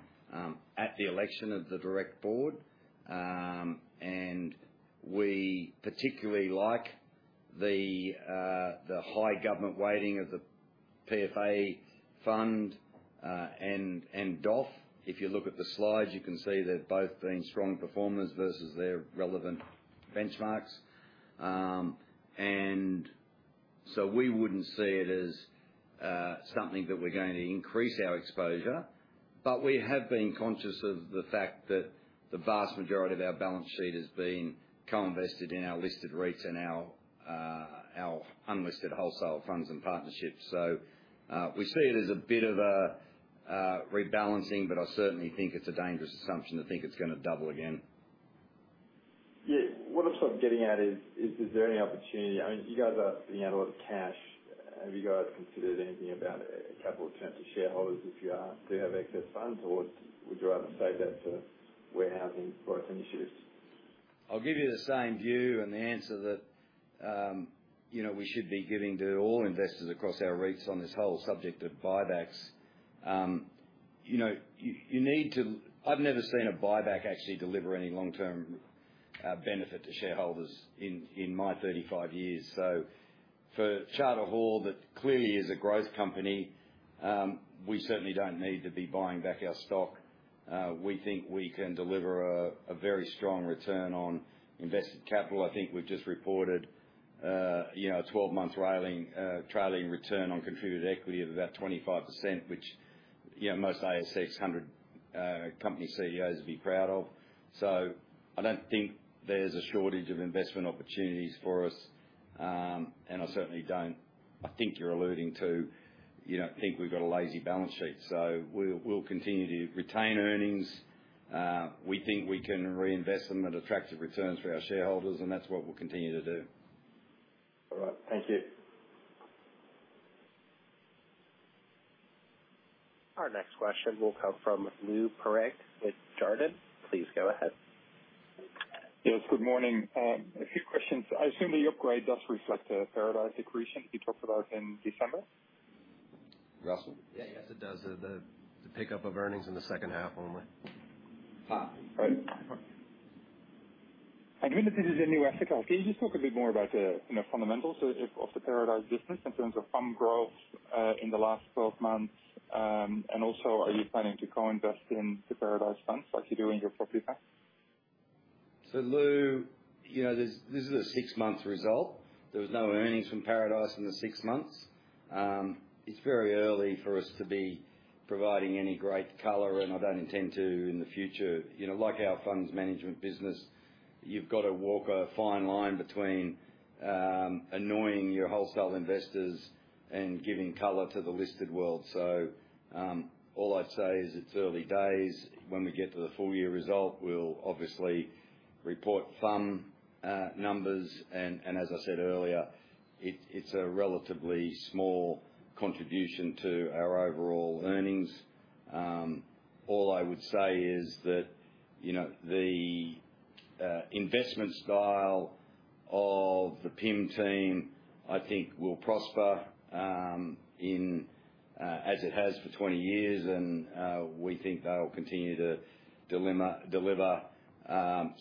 at the election of the direct board. We particularly like the high government weighting of the PFA fund and DOF. If you look at the slides, you can see they've both been strong performers versus their relevant benchmarks. We wouldn't see it as something that we're going to increase our exposure. We have been conscious of the fact that the vast majority of our balance sheet has been co-invested in our listed REITs and our unlisted wholesale funds and partnerships. We see it as a bit of a rebalancing, but I certainly think it's a dangerous assumption to think it's gonna double again. Yeah. What I'm sort of getting at is there any opportunity? I mean, you guys are spitting out a lot of cash. Have you guys considered anything about a capital return to shareholders if you do have excess funds, or would you rather save that for warehousing growth initiatives? I'll give you the same view and the answer that, you know, we should be giving to all investors across our REITs on this whole subject of buybacks. You know, you need to. I've never seen a buyback actually deliver any long-term benefit to shareholders in my 35 years. For Charter Hall, that clearly is a growth company, we certainly don't need to be buying back our stock. We think we can deliver a very strong return on invested capital. I think we've just reported, you know, a 12-month trailing return on contributed equity of about 25%, which, you know, most ASX 100 company CEOs would be proud of. I don't think there's a shortage of investment opportunities for us. I certainly don't. I think you're alluding to, you don't think we've got a lazy balance sheet. We'll continue to retain earnings. We think we can reinvest them at attractive returns for our shareholders, and that's what we'll continue to do. All right. Thank you. Our next question will come from Lou Pirenc with Jarden. Please go ahead. Yes, good morning. A few questions. I assume the upgrade does reflect the Paradice accretion that you talked about in December. Russell? Yeah. Yes, it does. The pickup of earnings in the h2 only. Right. Given that this is a new asset class, can you just talk a bit more about the, you know, fundamentals of the Paradice business in terms of FUM growth in the last 12 months? And also, are you planning to co-invest in the Paradice funds like you do in your property funds? Lou, you know, this is a six-month result. There was no earnings from Paradice in the six months. It's very early for us to be providing any great color, and I don't intend to in the future. You know, like our funds management business, you've got to walk a fine line between annoying your wholesale investors and giving color to the listed world. All I'd say is it's early days. When we get to the full year result, we'll obviously report FUM numbers. As I said earlier, it's a relatively small contribution to our overall earnings. All I would say is that, you know, the investment style of the PIM team, I think will prosper, as it has for 20 years. We think they'll continue to deliver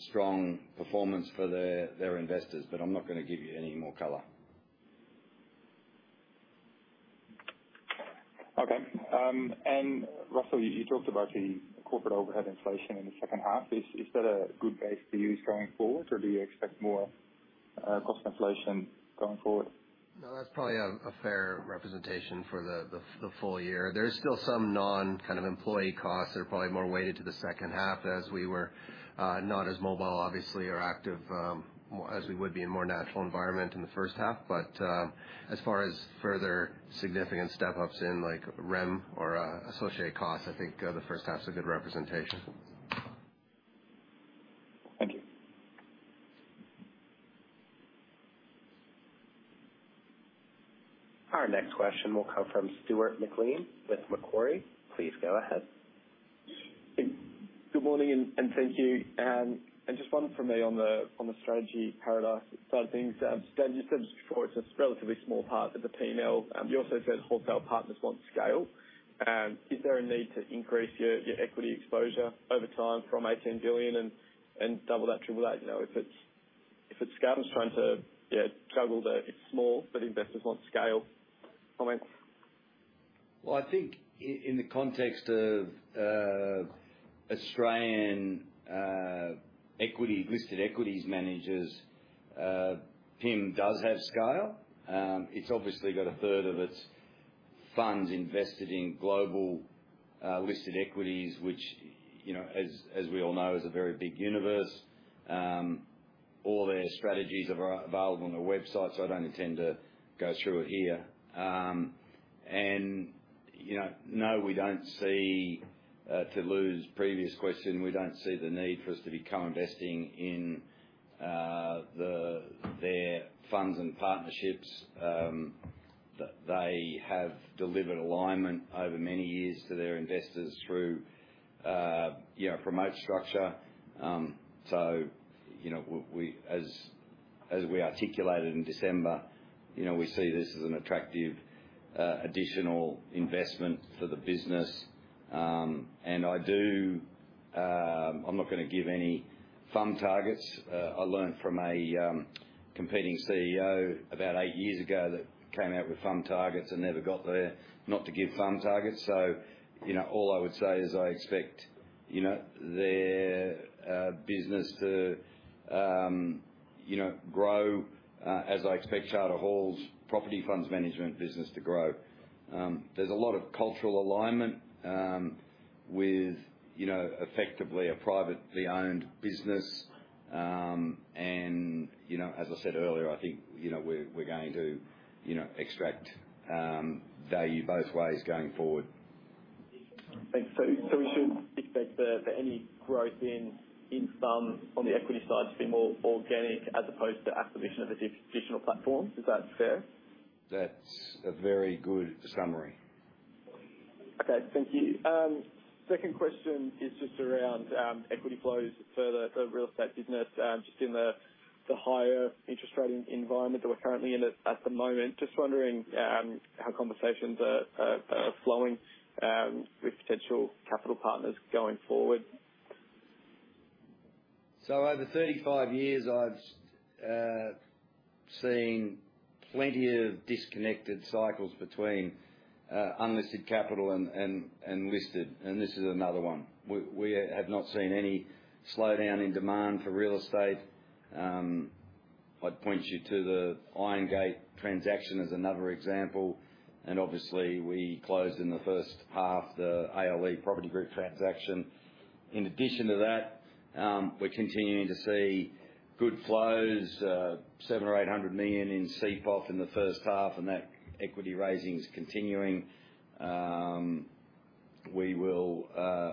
strong performance for their investors. I'm not gonna give you any more color. Russell, you talked about the corporate overhead inflation in the second half. Is that a good base to use going forward, or do you expect more cost inflation going forward? No, that's probably a fair representation for the full year. There's still some non-cash kind of employee costs that are probably more weighted to the H2 as we were not as mobile obviously or active as we would be in a more natural environment in the H1. As far as further significant step-ups in like REM or associate costs, I think the H1's a good representation. Thank you. Our next question will come from Stuart McLean with Macquarie. Please go ahead. Good morning and thank you. Just one for me on the strategy Paradice side of things. David, you said just before it's a relatively small part of the P&L. You also said wholesale partners want scale. Is there a need to increase your equity exposure over time from 18 billion and double that, triple that? If it's scale trying to juggle the it's small, but investors want scale comments. Well, I think in the context of Australian equity listed equities managers, PIM does have scale. It's obviously got a 1/3 of its funds invested in global listed equities, which, you know, as we all know, is a very big universe. All their strategies are available on their website, so I don't intend to go through it here. You know, no, we don't see to Lou's previous question, we don't see the need for us to be co-investing in their funds and partnerships. They have delivered alignment over many years to their investors through, you know, promote structure. You know, as we articulated in December, you know, we see this as an attractive additional investment for the business. I do, I'm not gonna give any fund targets. I learned from a competing CEO about eight years ago that came out with fund targets and never got there, not to give fund targets. You know, all I would say is I expect, you know, their business to, you know, grow, as I expect Charter Hall's property funds management business to grow. There's a lot of cultural alignment with, you know, effectively a privately owned business. You know, as I said earlier, I think, you know, we're going to, you know, extract value both ways going forward. Thanks. We should expect for any growth in income on the equity side to be more organic as opposed to acquisition of additional platforms. Is that fair? That's a very good summary. Okay. Thank you. Second question is just around equity flows for the real estate business, just in the higher interest rate environment that we're currently in at the moment. Just wondering how conversations are flowing with potential capital partners going forward. Over 35 years I've seen plenty of disconnected cycles between unlisted capital and listed, and this is another one. We have not seen any slowdown in demand for real estate. I'd point you to the Irongate transaction as another example, and obviously we closed in the H1 the ALE Property Group transaction. In addition to that, we're continuing to see good flows, 700 million or 800 million in CPOF in the H1, and that equity raising is continuing. We will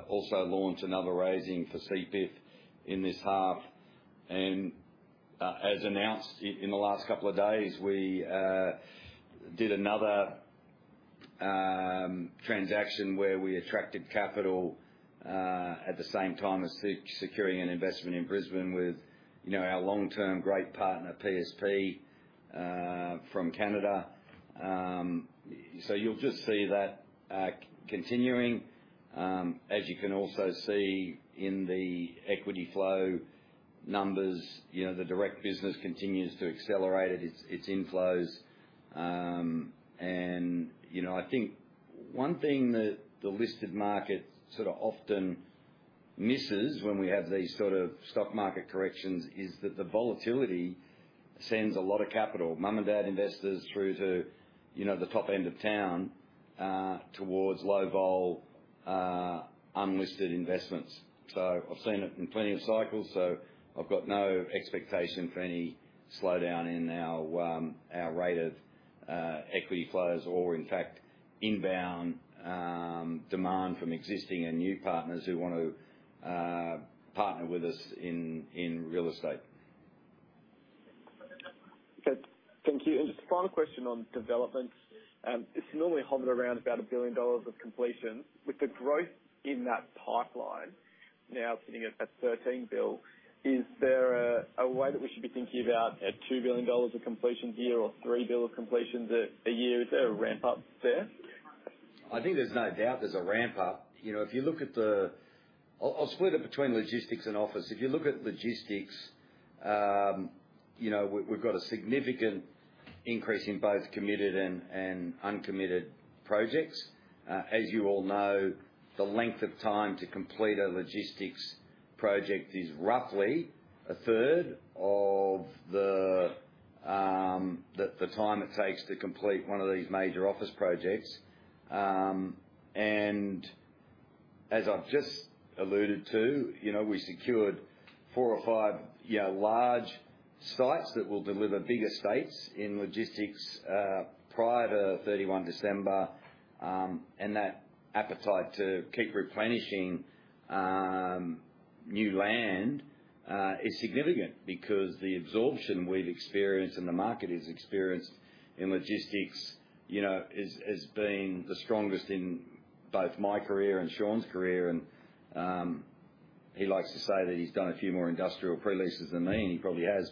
also launch another raising for CPIF in this half. As announced in the last couple of days, we did another transaction where we attracted capital at the same time as securing an investment in Brisbane with, you know, our long-term great partner, PSP from Canada. You'll just see that, continuing. As you can also see in the equity flow numbers, you know, the direct business continues to accelerate at its inflows. You know, I think one thing that the listed market sort of often misses when we have these sort of stock market corrections is that the volatility sends a lot of capital, mom and dad investors, through to, you know, the top end of town, towards low vol, unlisted investments. I've seen it in plenty of cycles. I've got no expectation for any slowdown in our rate of equity flows, or in fact, inbound demand from existing and new partners who want to partner with us in real estate. Okay. Thank you. Just a final question on developments. It's normally hovered around about 1 billion dollars of completion. With the growth in that pipeline now sitting at 13 billion, is there a way that we should be thinking about 2 billion dollars of completions a year or 3 billion of completions a year? Is there a ramp up there? I think there's no doubt there's a ramp up. You know, if you look at the. I'll split it between logistics and office. If you look at logistics, you know, we've got a significant increase in both committed and uncommitted projects. As you all know, the length of time to complete a logistics project is roughly a 1/3 of the time it takes to complete one of these major office projects. As I've just alluded to, you know, we secured four or five large sites that will deliver bigger estates in logistics, prior to 31 December. That appetite to keep replenishing new land is significant because the absorption we've experienced and the market has experienced in logistics, you know, has been the strongest in both my career and Sean's career and he likes to say that he's done a few more industrial preleases than me, and he probably has.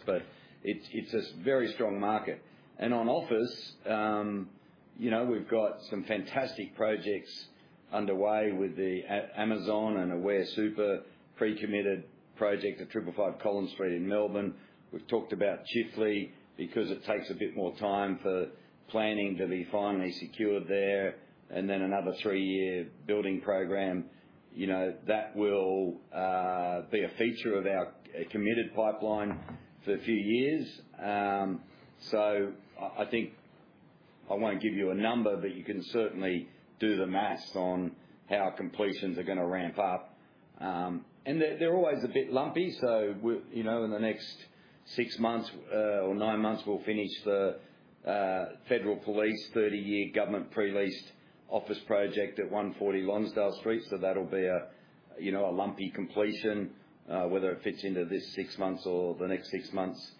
It's a very strong market. On office, you know, we've got some fantastic projects underway with the Amazon and Aware Super pre-committed project at 555 Collins Street in Melbourne. We've talked about Chifley because it takes a bit more time for planning to be finally secured there. Then another three-year building program, you know, that will be a feature of our committed pipeline for a few years. I think I won't give you a number, but you can certainly do the math on how completions are gonna ramp up. They're always a bit lumpy, so you know, in the next six months or nine months, we'll finish the federal police 30-year government preleased office project at 140 Lonsdale Street. That'll be a you know a lumpy completion, whether it fits into this six months or the next six months.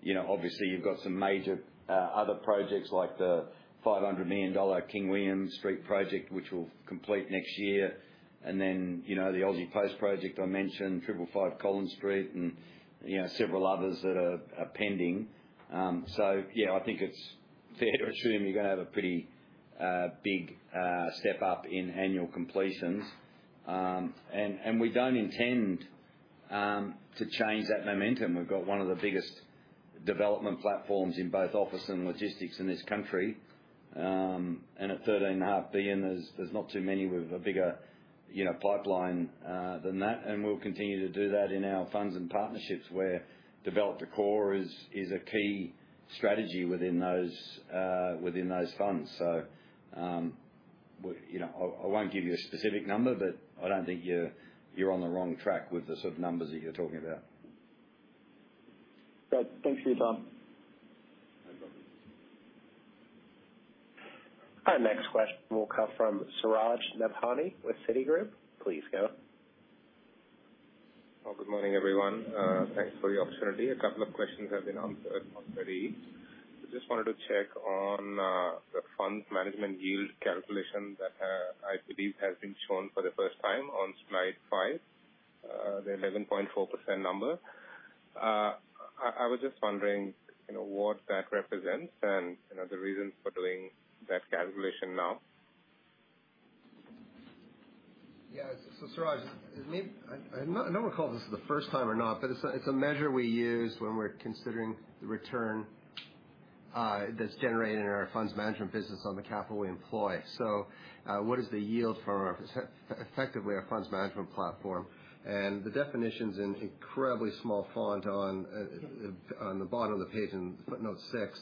You know, obviously you've got some major other projects like the 500 million dollar King William Street project, which we'll complete next year. You know, the Australia Post project I mentioned, 555 Collins Street and you know, several others that are pending. Yeah, I think it's fair to assume you're gonna have a pretty big step up in annual completions. We don't intend to change that momentum. We've got one of the biggest development platforms in both office and logistics in this country. At 13.5 billion, there's not too many with a bigger, you know, pipeline than that. We'll continue to do that in our funds and partnerships where develop to core is a key strategy within those funds. We, you know, I won't give you a specific number, but I don't think you're on the wrong track with the sort of numbers that you're talking about. Great. Thank you, Tom. No problem. Our next question will come from Suraj Nebhani with Citigroup. Please go. Oh, good morning, everyone. Thanks for the opportunity. A couple of questions have been answered already. I just wanted to check on the fund management yield calculation that I believe has been shown for the first time on slide five, the 11.4% number. I was just wondering, you know, what that represents and, you know, the reason for doing that calculation now. Yeah. Suraj, I don't know if we'll call this for the first time or not, but it's a measure we use when we're considering the return that's generated in our funds management business on the capital we employ. What is the yield from our effectively our funds management platform? The definition's in incredibly small font on the bottom of the page in footnote 6.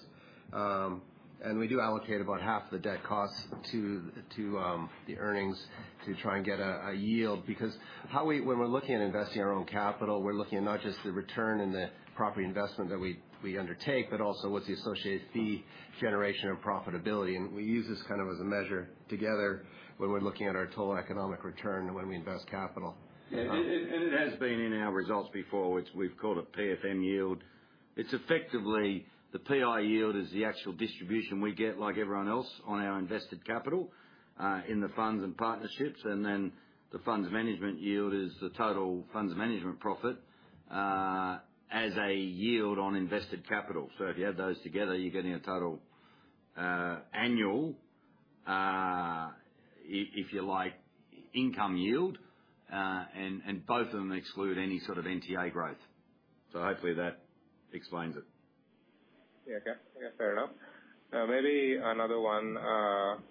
We do allocate about half the debt cost to the earnings to try and get a yield. Because when we're looking at investing our own capital, we're looking at not just the return and the property investment that we undertake, but also what's the associated fee generation and profitability. We use this kind of as a measure together when we're looking at our total economic return when we invest capital. It has been in our results before, which we've called a PFM yield. It's effectively the PI yield is the actual distribution we get, like everyone else, on our invested capital in the funds and partnerships. Then the funds management yield is the total funds management profit as a yield on invested capital. If you add those together, you're getting a total annual, if you like, income yield. Both of them exclude any sort of NTA growth. Hopefully that explains it. Yeah. Okay. Fair enough. Maybe another one,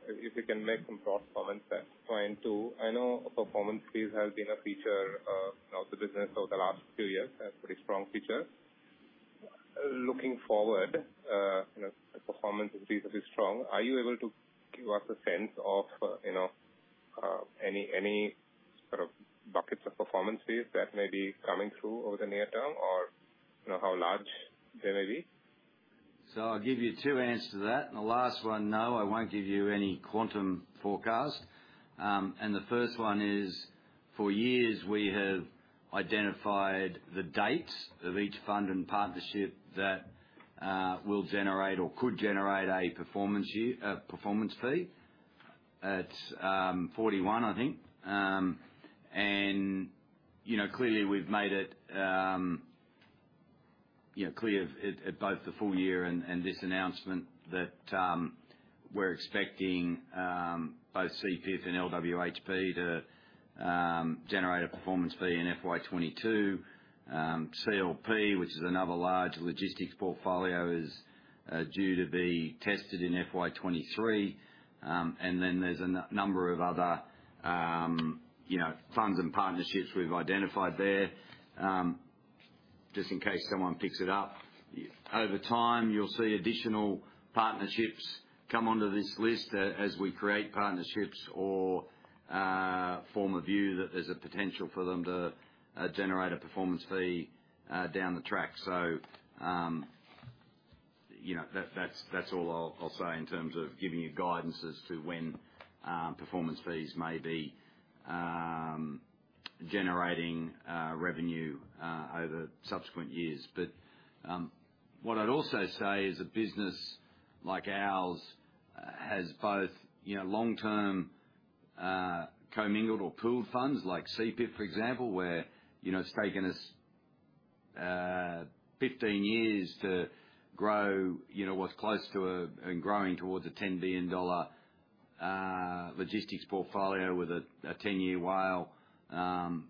if you can make some cross comments that's fine, too. I know performance fees have been a feature of the business over the last few years, a pretty strong feature. Looking forward, you know, if performance fees are strong, are you able to give us a sense of, you know, any sort of buckets of performance fees that may be coming through over the near term or, you know, how large they may be? I'll give you two answers to that, and the last one, no, I won't give you any quantum forecast. The first one is, for years we have identified the dates of each fund and partnership that will generate or could generate a performance fee. It's 41, I think. You know, clearly we've made it you know, clear at both the full year and this announcement that we're expecting both CPIF and LWHP to generate a performance fee in FY 2022. CLP, which is another large logistics portfolio, is due to be tested in FY 2023. There's a number of other you know, funds and partnerships we've identified there, just in case someone picks it up. Over time, you'll see additional partnerships come onto this list as we create partnerships or form a view that there's a potential for them to generate a performance fee down the track. You know, that's all I'll say in terms of giving you guidance as to when performance fees may be generating revenue over subsequent years. What I'd also say is a business like ours has both, you know, long-term co-mingled or pooled funds like CPIF, for example, where, you know, it's taken us 15 years to grow what's close to a, and growing towards a 10 billion dollar logistics portfolio with a 10-year WALE. One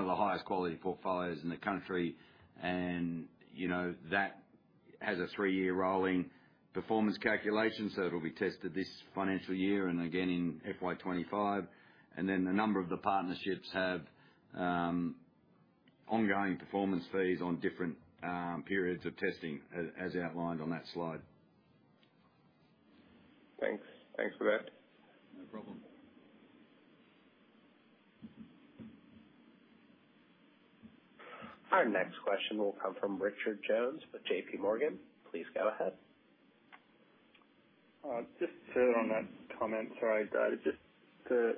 of the highest quality portfolios in the country and, you know, that has a three-year rolling performance calculation, so it'll be tested this financial year and again in FY 2025. Then a number of the partnerships have ongoing performance fees on different periods of testing as outlined on that slide. Thanks. Thanks for that. No problem. Our next question will come from Richard Jones with JPMorgan. Please go ahead. Just on that comment, sorry, Dave, just the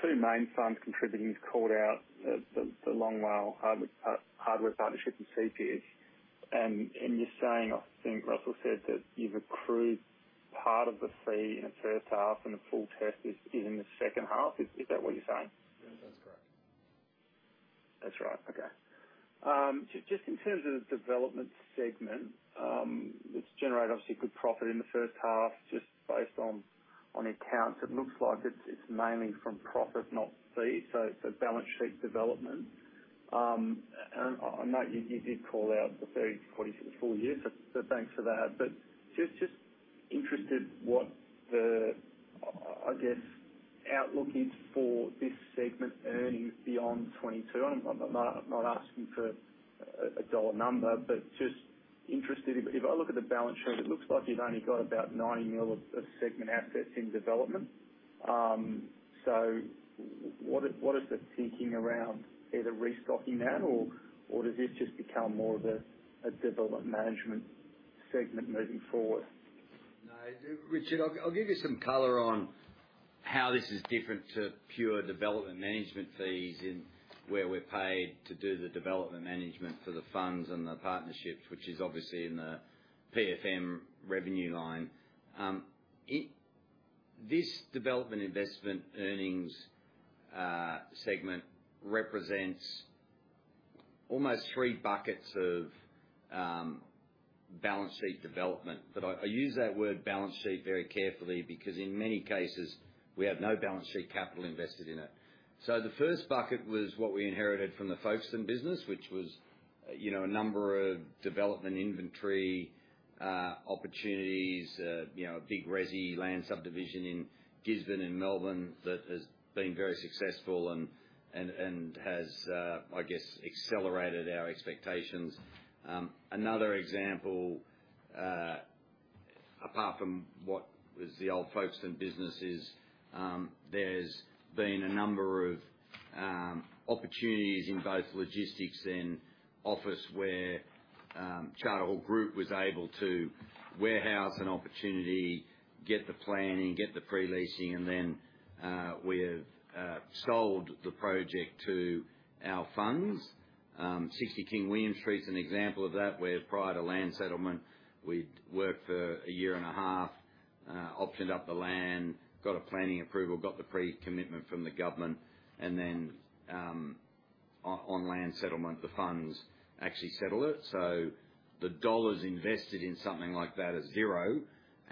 two main funds contributing, you've called out the Long WALE Hardware Partnership and CPIF. You're saying, I think Russell said that you've accrued part of the fee in the H1 and the full fee is in the H2. Is that what you're saying? Yeah, that's correct. That's right. Okay. Just in terms of the development segment, it's generated obviously good profit in the H1, just based on accounts, it looks like it's mainly from profit, not fees, so it's a balance sheet development. I know you did call out the 30 million-40 million for the full year, so thanks for that. But just interested what the, I guess, outlook is for this segment earnings beyond 2022. I'm not asking for a dollar number, but just interested. If I look at the balance sheet, it looks like you've only got about 90 million of segment assets in development. So what is the thinking around either restocking that or does this just become more of a development management segment moving forward? No, Richard, I'll give you some color on how this is different to pure development management fees in which we're paid to do the development management for the funds and the partnerships, which is obviously in the PFM revenue line. This development investment earnings segment represents almost three buckets of balance sheet development. I use that word balance sheet very carefully because in many cases we have no balance sheet capital invested in it. The first bucket was what we inherited from the Folkestone business, which was, you know, a number of development inventory opportunities, you know, a big resi land subdivision in Gisborne and Melbourne that has been very successful and has, I guess, accelerated our expectations. Another example, apart from what was the old Folkestone business is, there's been a number of opportunities in both logistics and office where Charter Hall Group was able to warehouse an opportunity, get the planning, get the pre-leasing, and then we have sold the project to our funds. 60 King William Street is an example of that, where prior to land settlement, we'd worked for a year and a half, optioned up the land, got a planning approval, got the pre-commitment from the government, and then on land settlement, the funds actually settle it. The dollars invested in something like that is zero,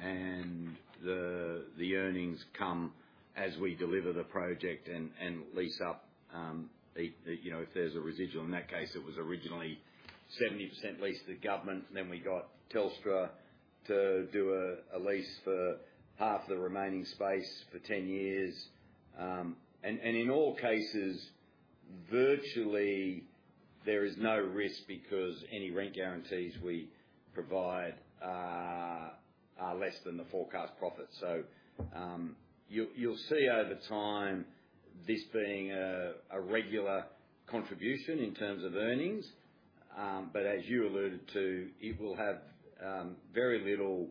and the earnings come as we deliver the project and lease up, you know, if there's a residual. In that case, it was originally 70% leased to the government, and then we got Telstra to do a lease for half the remaining space for 10 years. In all cases, virtually there is no risk because any rent guarantees we provide are less than the forecast profit. You'll see over time this being a regular contribution in terms of earnings. As you alluded to, it will have very little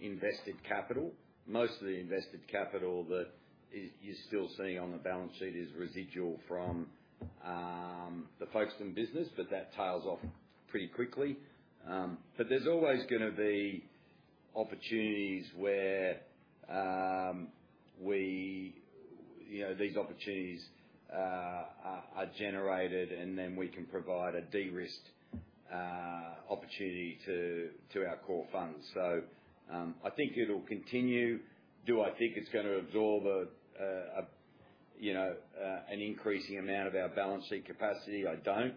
invested capital. Most of the invested capital that is, you're still seeing on the balance sheet is residual from the Folkestone business, but that tails off pretty quickly. There's always gonna be opportunities where we, you know, these opportunities are generated and then we can provide a de-risked opportunity to our core funds. I think it'll continue. Do I think it's gonna absorb an increasing amount of our balance sheet capacity? I don't.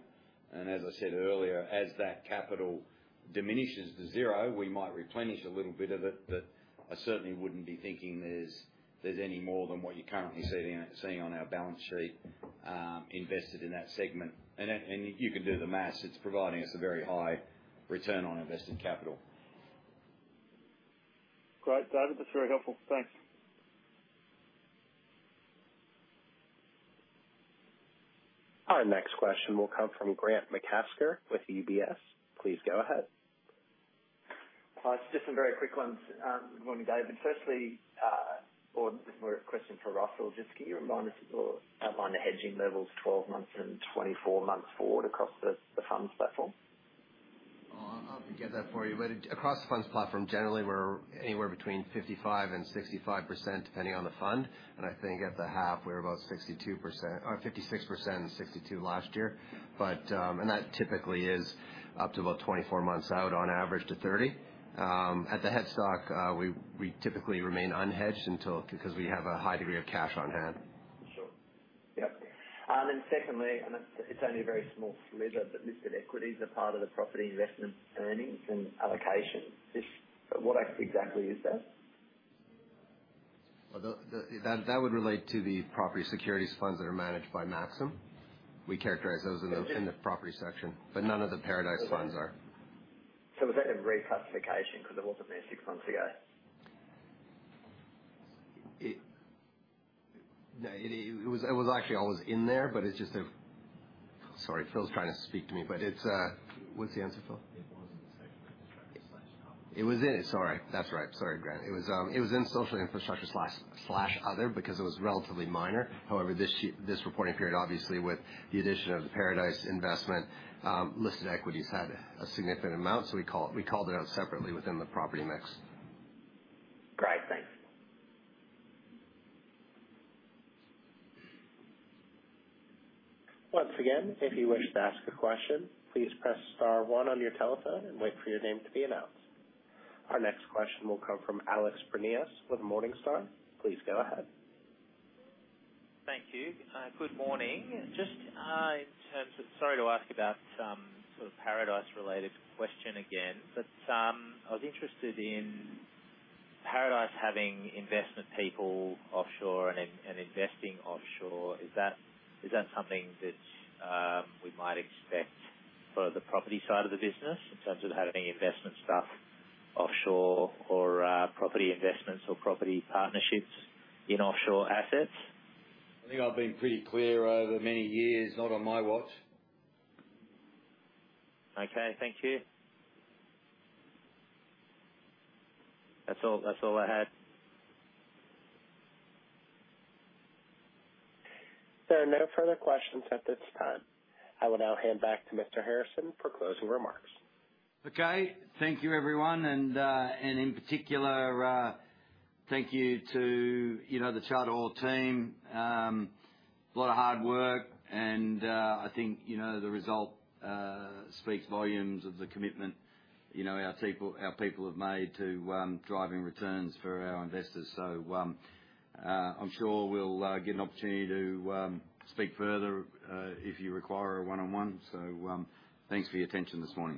As I said earlier, as that capital diminishes to zero, we might replenish a little bit of it, but I certainly wouldn't be thinking there's any more than what you're currently seeing on our balance sheet invested in that segment. You can do the math. It's providing us a very high return on invested capital. Great, David. That's very helpful. Thanks. Our next question will come from Grant McCasker with UBS. Please go ahead. Just some very quick ones, one, David. Firstly, or more a question for Russell. Just can you remind us or outline the hedging levels 12 months and 24 months forward across the funds platform? Oh, I'll get that for you. Across the funds platform, generally we're anywhere between 55%-65%, depending on the fund. I think at the half we were about 62% or 56% and 62% last year. That typically is up to about 24 months out on average to 30 months. At the headstock, we typically remain unhedged until 'cause we have a high degree of cash on hand. Sure. Yep. Secondly, it's only a very small sliver, but listed equities are part of the property investment earnings and allocation. Just what exactly is that? Well, that would relate to the property securities funds that are managed by Maxim. We characterize those in the property section. Okay. None of the Paradice funds are. Was that a reclassification? 'Cause it wasn't there six months ago. It was actually always in there, but it's just a. Sorry, Phil's trying to speak to me, but it's. What's the answer, Phil? It was in the social infrastructure slash other. It was in it, sorry. That's right. Sorry, Grant. It was in social infrastructure slash slash other because it was relatively minor. However, this year, this reporting period, obviously with the addition of the Paradice investment, listed equities had a significant amount, so we called it out separately within the property mix. Great. Thanks. Once again, if you wish to ask a question, please press star one on your telephone and wait for your name to be announced. Our next question will come from Alex Prineas with Morningstar. Please go ahead. Thank you. Good morning. Just in terms of... Sorry to ask about some sort of Paradice-related question again, but I was interested in Paradice having investment people offshore and investing offshore. Is that something that we might expect for the property side of the business in terms of having investment stuff offshore or property investments or property partnerships in offshore assets? I think I've been pretty clear over many years, not on my watch. Okay. Thank you. That's all I had. There are no further questions at this time. I will now hand back to Mr. Harrison for closing remarks. Okay. Thank you, everyone. In particular, thank you to, you know, the Charter Hall team. A lot of hard work and, I think, you know, the result speaks volumes of the commitment, you know, our people have made to driving returns for our investors. I'm sure we'll get an opportunity to speak further if you require a one-on-one. Thanks for your attention this morning.